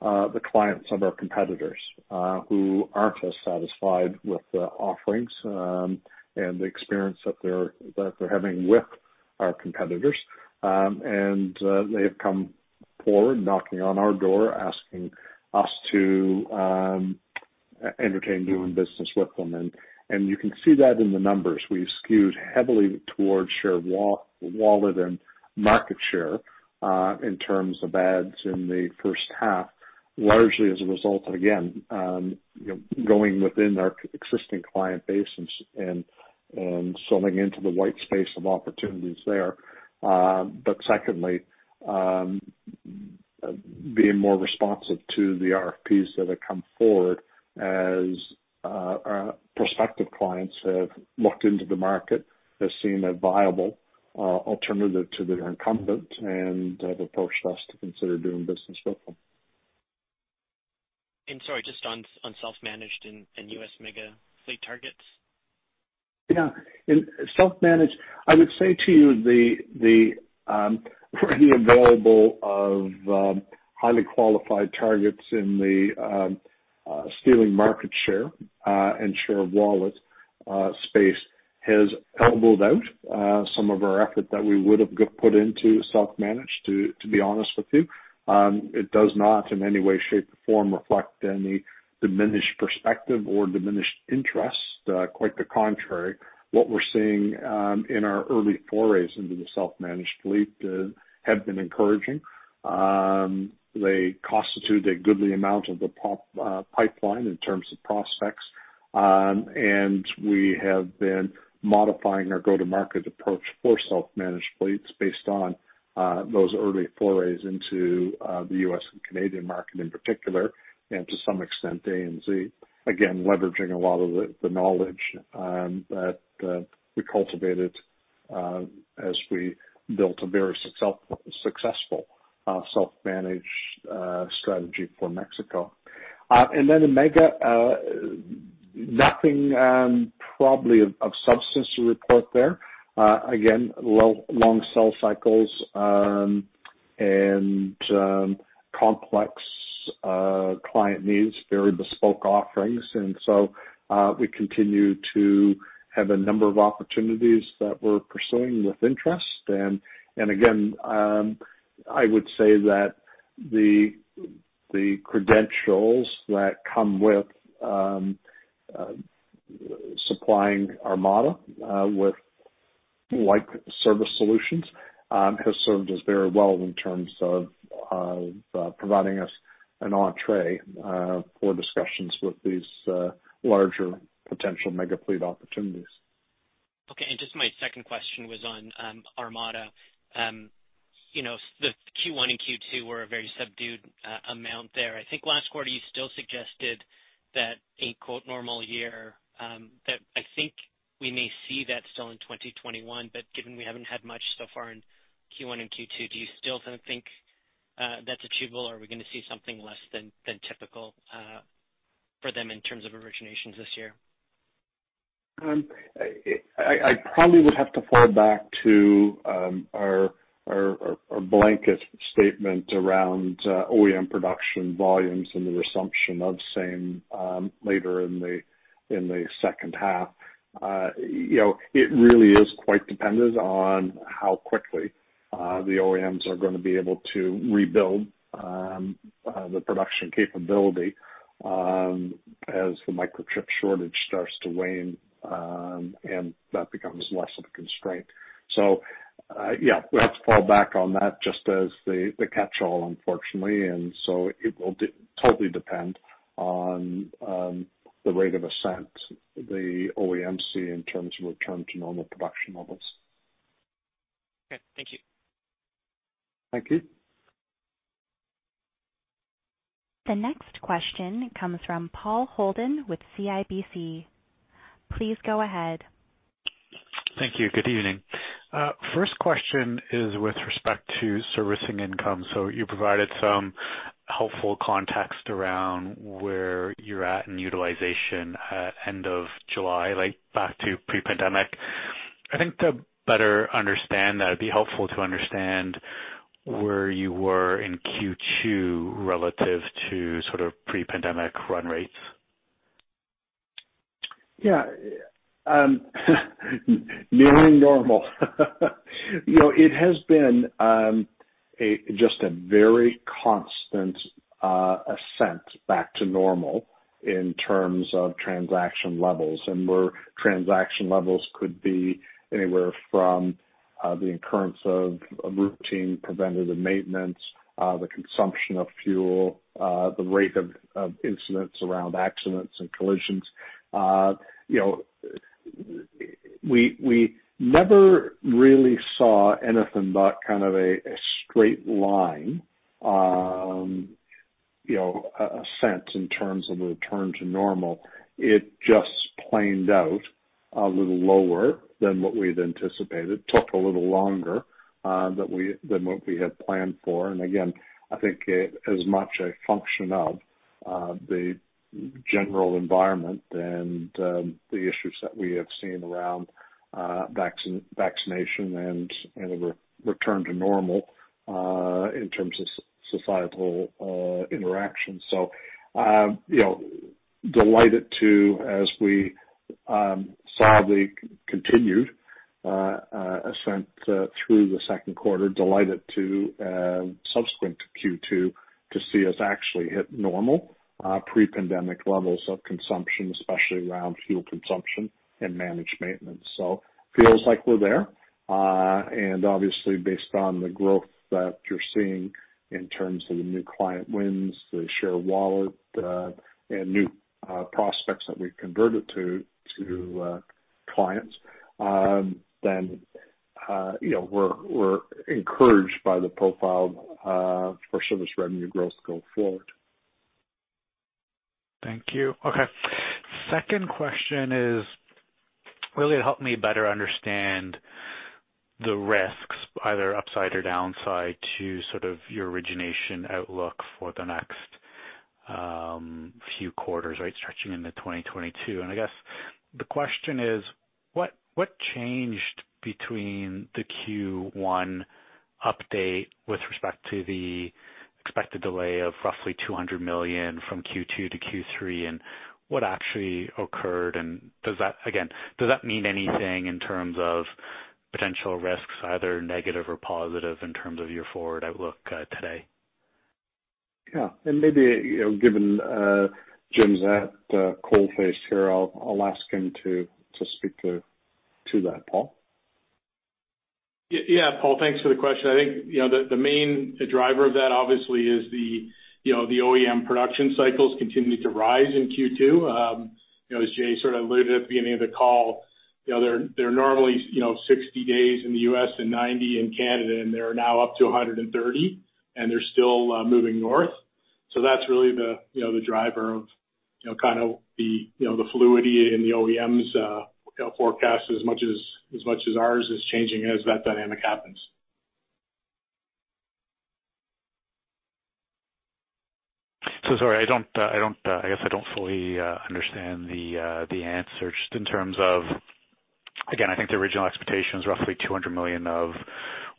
the clients of our competitors, who aren't as satisfied with the offerings and the experience that they're having with our competitors. They have come forward knocking on our door, asking us to entertain doing business with them. You can see that in the numbers. We skewed heavily towards share of wallet and market share, in terms of adds in the first half, largely as a result again, going within our existing client base and sewing into the white space of opportunities there. Secondly, being more responsive to the RFPs that have come forward as prospective clients have looked into the market, have seen a viable alternative to their incumbent, and have approached us to consider doing business with them. Sorry, just on self-managed and U.S. mega fleet targets. Yeah. In self-managed, I would say to you the availability of highly qualified targets in the stealing market share and share of wallet space has elbowed out some of our effort that we would've put into self-managed, to be honest with you. It does not in any way, shape, or form reflect any diminished perspective or diminished interest. Quite the contrary. What we're seeing in our early forays into the self-managed fleet have been encouraging. They constitute a goodly amount of the pipeline in terms of prospects. We have been modifying our go-to-market approach for self-managed fleets based on those early forays into the U.S. and Canadian market in particular, and to some extent, ANZ. Again, leveraging a lot of the knowledge that we cultivated as we built a very successful self-managed strategy for Mexico. In mega, nothing probably of substance to report there. Again, long sell cycles, and complex client needs, very bespoke offerings. We continue to have a number of opportunities that we're pursuing with interest. I would say that the credentials that come with supplying Armada with like service solutions has served us very well in terms of providing us an entrée for discussions with these larger potential mega fleet opportunities. Just my second question was on Armada. The Q1 and Q2 were a very subdued amount there. I think last quarter you still suggested that a "normal year," that I think we may see that still in 2021, but given we haven't had much so far in Q1 and Q2, do you still kind of think that's achievable? Are we going to see something less than typical for them in terms of originations this year? I probably would have to fall back to our blanket statement around OEM production volumes and the resumption of same later in the second half. It really is quite dependent on how quickly the OEMs are going to be able to rebuild the production capability as the microchip shortage starts to wane and that becomes less of a constraint. Yeah, we'll have to fall back on that just as the catchall, unfortunately. It will totally depend on the rate of ascent the OEM see in terms of return to normal production levels. Okay. Thank you. Thank you. The next question comes from Paul Holden with CIBC. Please go ahead. Thank you. Good evening. First question is with respect to servicing income. You provided some helpful context around where you're at in utilization at end of July, like back to pre-pandemic. I think to better understand that, it'd be helpful to understand where you were in Q2 relative to pre-pandemic run rates. Yeah. Nearing normal. It has been just a very constant ascent back to normal in terms of transaction levels. Where transaction levels could be anywhere from the occurrence of routine preventative maintenance, the consumption of fuel, the rate of incidents around accidents and collisions. We never really saw anything but kind of a straight line, ascent in terms of a return to normal. It just planed out a little lower than what we'd anticipated. Took a little longer than what we had planned for. Again, I think as much a function of the general environment and the issues that we have seen around vaccination and the return to normal in terms of societal interaction. Delighted to, as we sadly continued ascent through the second quarter, delighted to subsequent to Q2, to see us actually hit normal pre-pandemic levels of consumption, especially around fuel consumption and managed maintenance. Feels like we're there. Obviously based on the growth that you're seeing in terms of the new client wins, the share of wallet, and new prospects that we've converted to clients, then we're encouraged by the profile for service revenue growth going forward. Thank you. Okay. Second question is, will it help me better understand the risks, either upside or downside to sort of your origination outlook for the next few quarters, right, stretching into 2022? I guess the question is what changed between the Q1 update with respect to the expected delay of roughly $200 million from Q2 to Q3, and what actually occurred, and does that, again, does that mean anything in terms of potential risks, either negative or positive in terms of your forward outlook today? Yeah. Maybe given Jim's at coalface here, I'll ask him to speak to that. Paul? Yeah. Paul, thanks for the question. I think the main driver of that obviously is the OEM production cycles continuing to rise in Q2. As Jay sort of alluded at the beginning of the call, they're normally 60 days in the U.S. and 90 in Canada, and they're now up to 130, and they're still moving north. That's really the driver of kind of the fluidity in the OEMs forecast as much as ours is changing as that dynamic happens. Sorry, I guess I don't fully understand the answer just in terms of, again, I think the original expectation was roughly $200 million of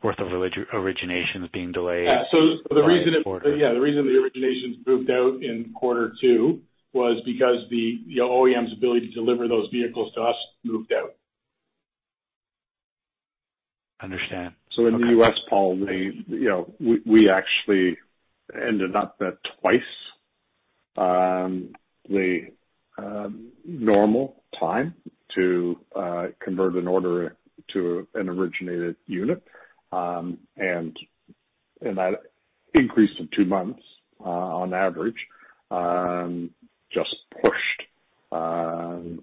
worth of originations being delayed. Yeah. The reason the originations moved out in quarter two was because the OEM's ability to deliver those vehicles to us moved out. Understand. Okay. In the U.S., Paul, we actually ended up at twice the normal time to convert an order to an originated unit. That increase of two months, on average, just pushed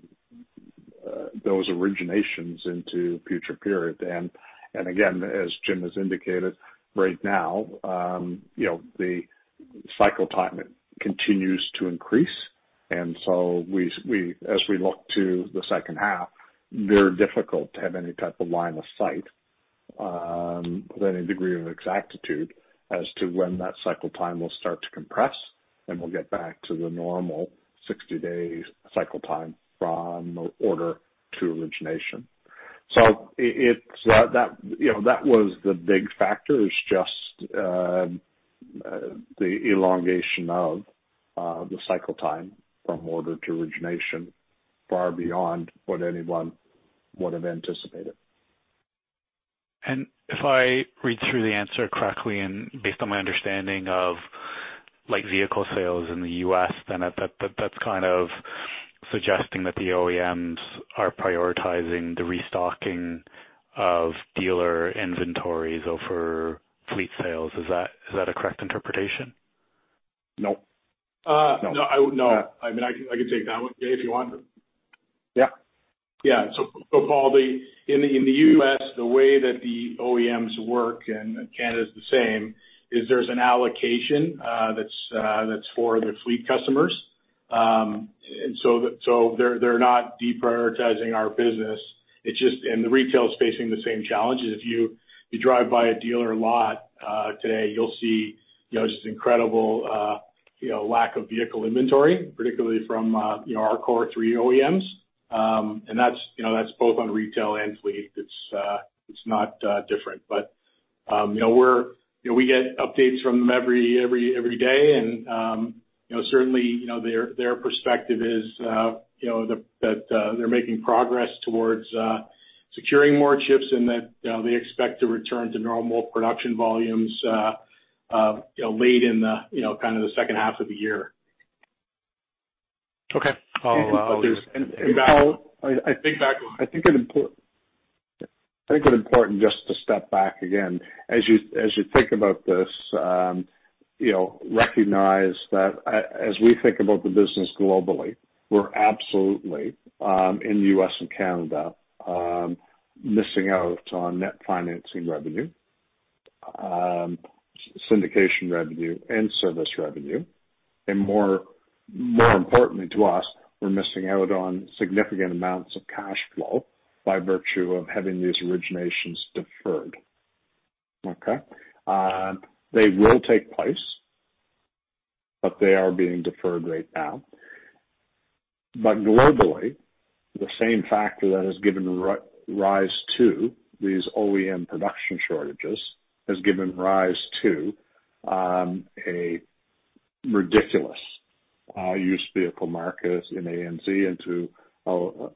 those originations into future periods. Again, as Jim has indicated, right now the cycle time continues to increase, and so as we look to the second half, very difficult to have any type of line of sight with any degree of exactitude as to when that cycle time will start to compress, and we'll get back to the normal 60-day cycle time from order to origination. That was the big factor, is just the elongation of the cycle time from order to origination far beyond what anyone would have anticipated. If I read through the answer correctly, and based on my understanding of like vehicle sales in the U.S., then that's kind of suggesting that the OEMs are prioritizing the restocking of dealer inventories over fleet sales. Is that a correct interpretation? No. No. I mean, I can take that one, Jay, if you want. Yeah. Yeah. Paul, in the U.S., the way that the OEMs work, and Canada's the same, is there's an allocation that's for their fleet customers. They're not deprioritizing our business. The retail is facing the same challenges. If you drive by a dealer lot today, you'll see just incredible lack of vehicle inventory, particularly from our core three OEMs. That's both on retail and fleet. It's not different. We get updates from them every day, and certainly their perspective is that they're making progress towards securing more chips and that they expect to return to normal production volumes late in the second half of the year. Okay. Paul, I think it important just to step back again. As you think about this, recognize that as we think about the business globally, we're absolutely, in the U.S. and Canada, missing out on net financing revenue, syndication revenue, and service revenue. More importantly to us, we're missing out on significant amounts of cash flow by virtue of having these originations deferred. Okay. They will take place, but they are being deferred right now. Globally, the same factor that has given rise to these OEM production shortages has given rise to a ridiculous used vehicle market in ANZ and to a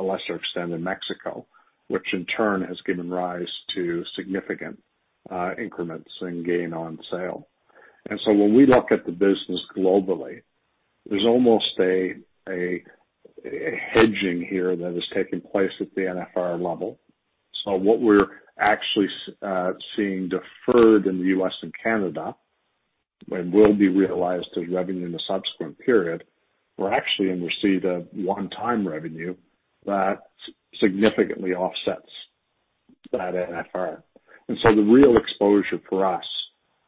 lesser extent, in Mexico, which in turn has given rise to significant increments in gain on sale. When we look at the business globally, there's almost a hedging here that is taking place at the NFR level. What we're actually seeing deferred in the U.S. and Canada, and will be realized as revenue in the subsequent period, we're actually going to receive a one-time revenue that significantly offsets that NFR. The real exposure for us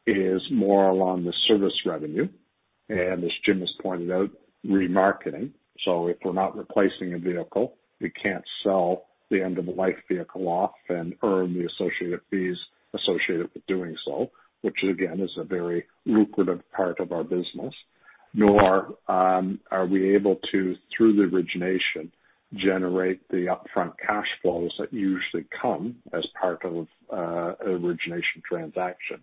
is more along the service revenue. As Jim has pointed out, remarketing. If we're not replacing a vehicle, we can't sell the end-of-life vehicle off and earn the associated fees associated with doing so, which again, is a very lucrative part of our business. Nor are we able to, through the origination, generate the upfront cash flows that usually come as part of an origination transaction.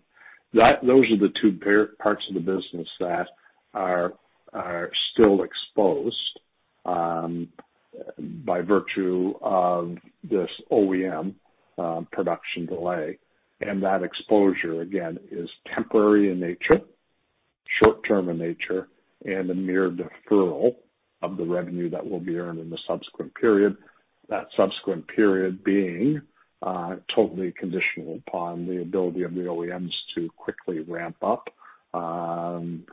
Those are the two parts of the business that are still exposed by virtue of this OEM production delay. That exposure, again, is temporary in nature, short-term in nature, and a mere deferral of the revenue that will be earned in the subsequent period. That subsequent period being totally conditional upon the ability of the OEMs to quickly ramp up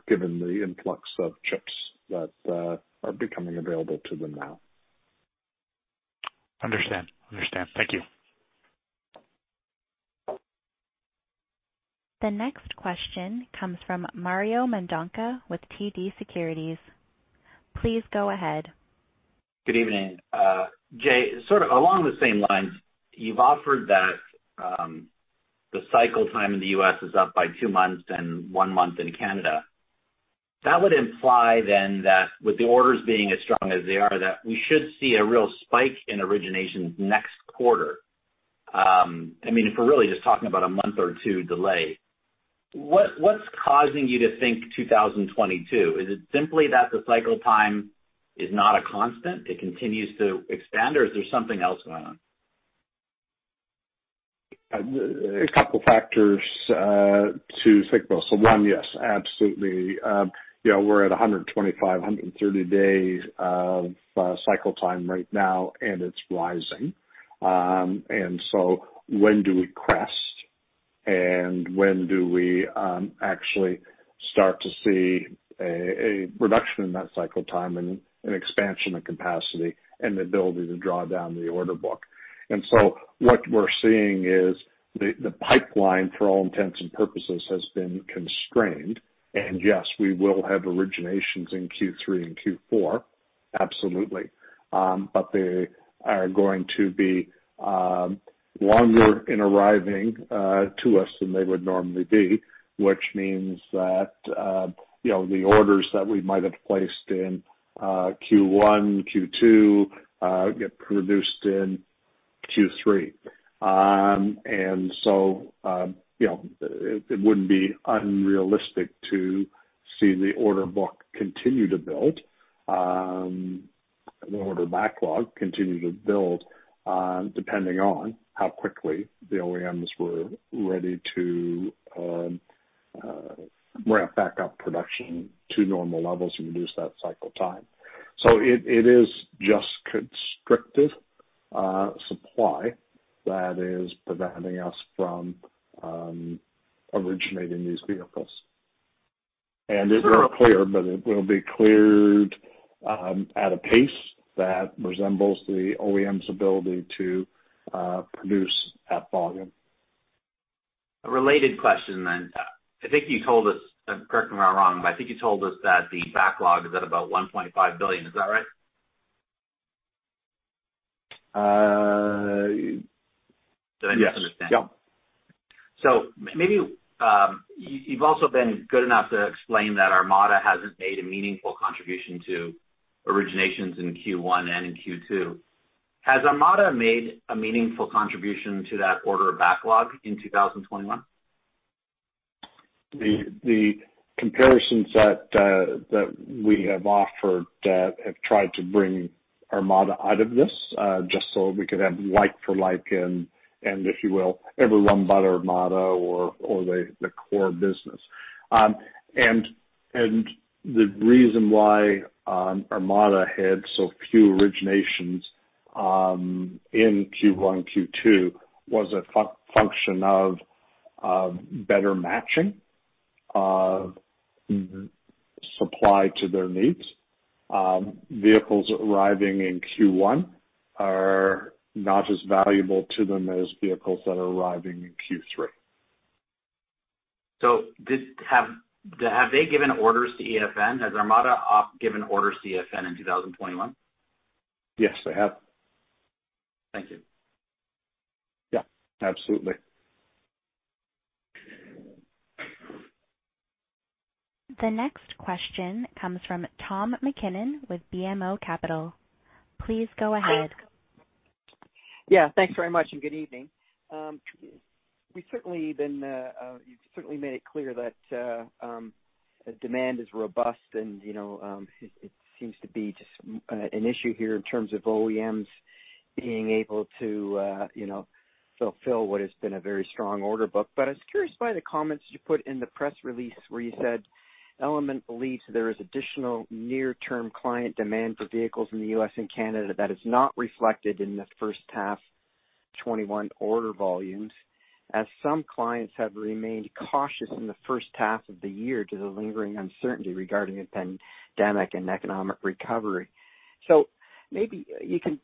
given the influx of chips that are becoming available to them now. Understand. Thank you. The next question comes from Mario Mendonca with TD Securities. Please go ahead. Good evening. Jay, sort of along the same lines, you've offered that the cycle time in the U.S. is up by two months and one month in Canada. That would imply then that with the orders being as strong as they are, that we should see a real spike in originations next quarter. If we're really just talking about a month or two delay, what's causing you to think 2022? Is it simply that the cycle time is not a constant, it continues to expand, or is there something else going on? A couple of factors to think about. One, yes, absolutely. We're at 125, 130 days of cycle time right now, and it's rising. When do we crest, and when do we actually start to see a reduction in that cycle time and an expansion of capacity and the ability to draw down the order book? What we're seeing is the pipeline, for all intents and purposes, has been constrained. Yes, we will have originations in Q3 and Q4. Absolutely. They are going to be longer in arriving to us than they would normally be, which means that the orders that we might have placed in Q1, Q2, get produced in Q3. It wouldn't be unrealistic to see the order book continue to build, the order backlog continue to build, depending on how quickly the OEMs were ready to ramp back up production to normal levels and reduce that cycle time. It is just constrictive supply that is preventing us from originating these vehicles. It will clear, but it will be cleared at a pace that resembles the OEM's ability to produce that volume. A related question. I think you told us, correct me if I'm wrong, that the backlog is at about $1.5 billion. Is that right? yes. Did I misunderstand? Yep. Maybe you've also been good enough to explain that Armada hasn't made a meaningful contribution to originations in Q1 and in Q2. Has Armada made a meaningful contribution to that order backlog in 2021? The comparisons that we have offered that have tried to bring Armada out of this, just so we could have like for like, if you will, everyone but Armada or the core business. The reason why Armada had so few originations in Q1, Q2 was a function of better matching of supply to their needs. Vehicles arriving in Q1 are not as valuable to them as vehicles that are arriving in Q3. Have they given orders to EFN? Has Armada given orders to EFN in 2021? Yes, they have. Thank you. Yeah, absolutely. The next question comes from Tom MacKinnon with BMO Capital. Please go ahead. Thanks very much, and good evening. You've certainly made it clear that demand is robust and it seems to be just an issue here in terms of OEMs being able to fulfill what has been a very strong order book. I was curious by the comments you put in the press release where you said, "Element believes there is additional near-term client demand for vehicles in the U.S. and Canada that is not reflected in the first half 2021 order volumes, as some clients have remained cautious in the first half of the year due to lingering uncertainty regarding the pandemic and economic recovery." Maybe you can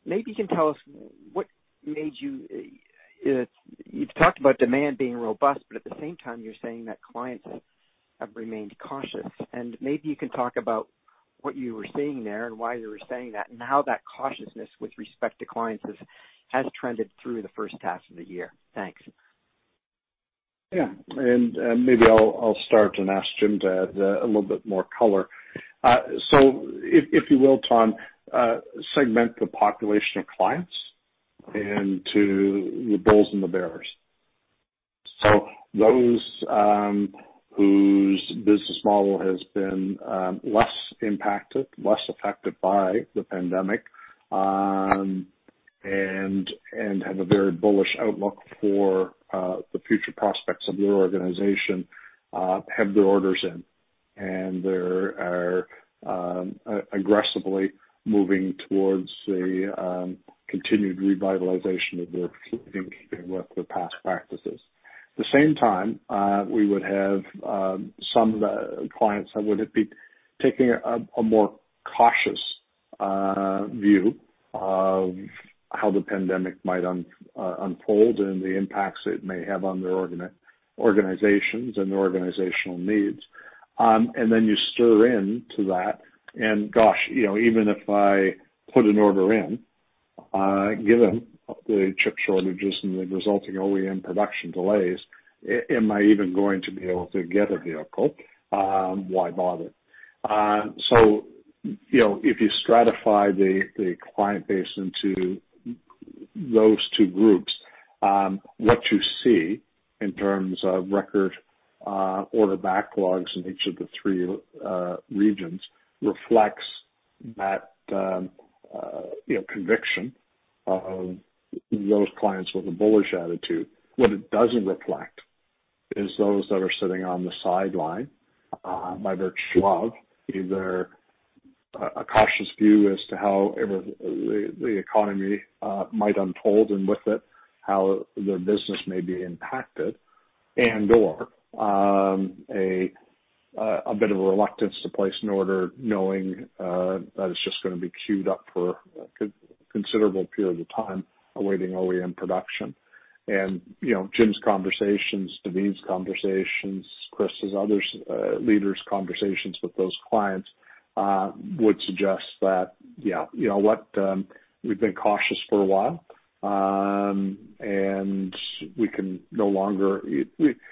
tell us what made you You've talked about demand being robust, but at the same time, you're saying that clients have remained cautious, and maybe you can talk about what you were seeing there and why you were saying that, and how that cautiousness with respect to clients has trended through the first half of the year. Thanks. Yeah. Maybe I'll start and ask Jim to add a little bit more color. If you will, Tom, segment the population of clients into the bulls and the bears. Those whose business model has been less impacted, less affected by the pandemic, and have a very bullish outlook for the future prospects of their organization, have their orders in, and they are aggressively moving towards the continued revitalization of their fleet in keeping with their past practices. At the same time, we would have some clients that would be taking a more cautious view of how the pandemic might unfold and the impacts it may have on their organizations and organizational needs. You stir in to that, and gosh, even if I put an order in, given the chip shortages and the resulting OEM production delays, am I even going to be able to get a vehicle? Why bother? If you stratify the client base into those two groups, what you see in terms of record order backlogs in each of the three regions reflects that conviction of those clients with a bullish attitude. What it doesn't reflect is those that are sitting on the sideline, by virtue of either a cautious view as to how the economy might unfold and with it how their business may be impacted and/or a bit of a reluctance to place an order knowing that it's just going to be queued up for a considerable period of time awaiting OEM production. Jim's conversations, Naveed's conversations, Chris's, others leaders' conversations with those clients would suggest that, yeah, we've been cautious for a while, we can no longer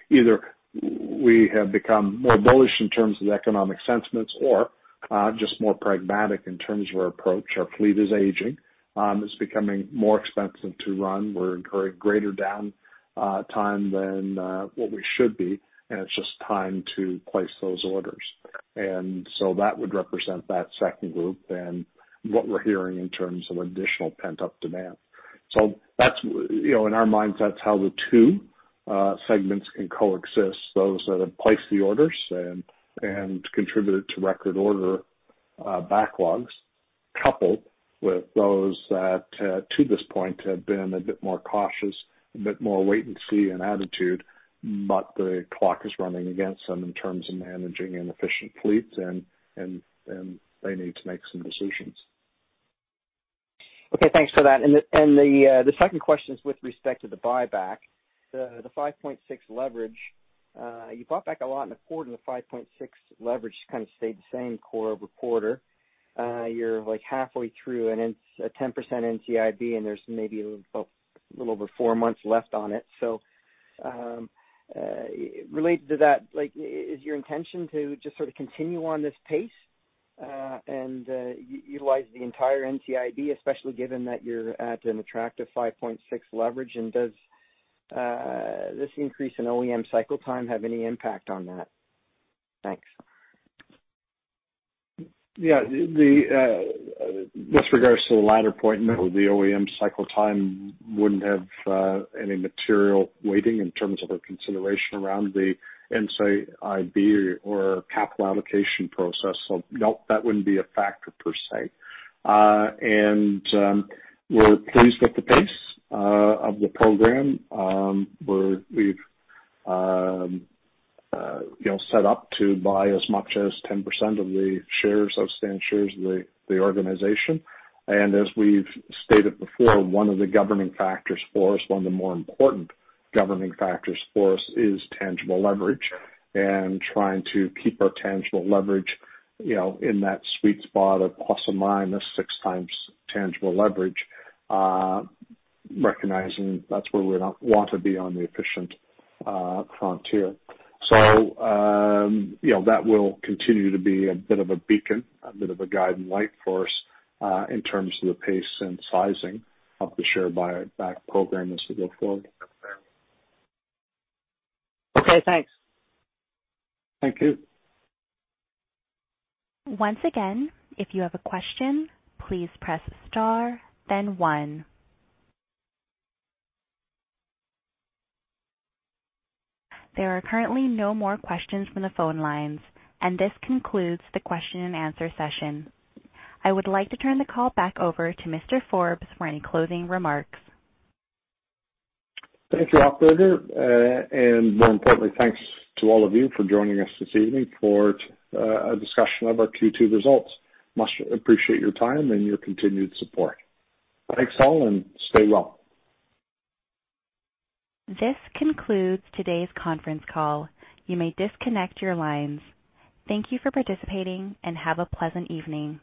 Either we have become more bullish in terms of economic sentiments or just more pragmatic in terms of our approach. Our fleet is aging. It's becoming more expensive to run. We're incurring greater downtime than what we should be, it's just time to place those orders. That would represent that second group and what we're hearing in terms of additional pent-up demand. That's in our minds, that's how the two segments can coexist. Those that have placed the orders and contributed to record order backlogs, coupled with those that, to this point, have been a bit more cautious, a bit more wait and see in attitude. The clock is running against them in terms of managing inefficient fleets and they need to make some decisions. Okay, thanks for that. The second question is with respect to the buyback, the 5.6 leverage. You bought back a lot in the quarter, and the 5.6 leverage kind of stayed the same quarter-over-quarter. You're halfway through a 10% NCIB, and there's maybe a little over four months left on it. Related to that, is your intention to just sort of continue on this pace, and utilize the entire NCIB, especially given that you're at an attractive 5.6 leverage, and does this increase in OEM cycle time have any impact on that? Thanks. Yeah. With regards to the latter point, the OEM cycle time wouldn't have any material weighting in terms of our consideration around the NCIB or capital allocation process. Nope, that wouldn't be a factor per se. We're pleased with the pace of the program. We've set up to buy as much as 10% of the outstanding shares of the organization. As we've stated before, one of the more important governing factors for us is tangible leverage and trying to keep our tangible leverage in that sweet spot of ±6x tangible leverage, recognizing that's where we want to be on the efficient frontier. That will continue to be a bit of a beacon, a bit of a guiding light for us, in terms of the pace and sizing of the share buyback program as we go forward. Okay, thanks. Thank you. Once again, if you have a question, please press star then one. There are currently no more questions from the phone lines. This concludes the question and answer session. I would like to turn the call back over to Mr. Forbes for any closing remarks. Thank you, operator. More importantly, thanks to all of you for joining us this evening for a discussion of our Q2 results. We much appreciate your time and your continued support. Thanks all, and stay well. This concludes today's conference call. You may disconnect your lines. Thank you for participating and have a pleasant evening.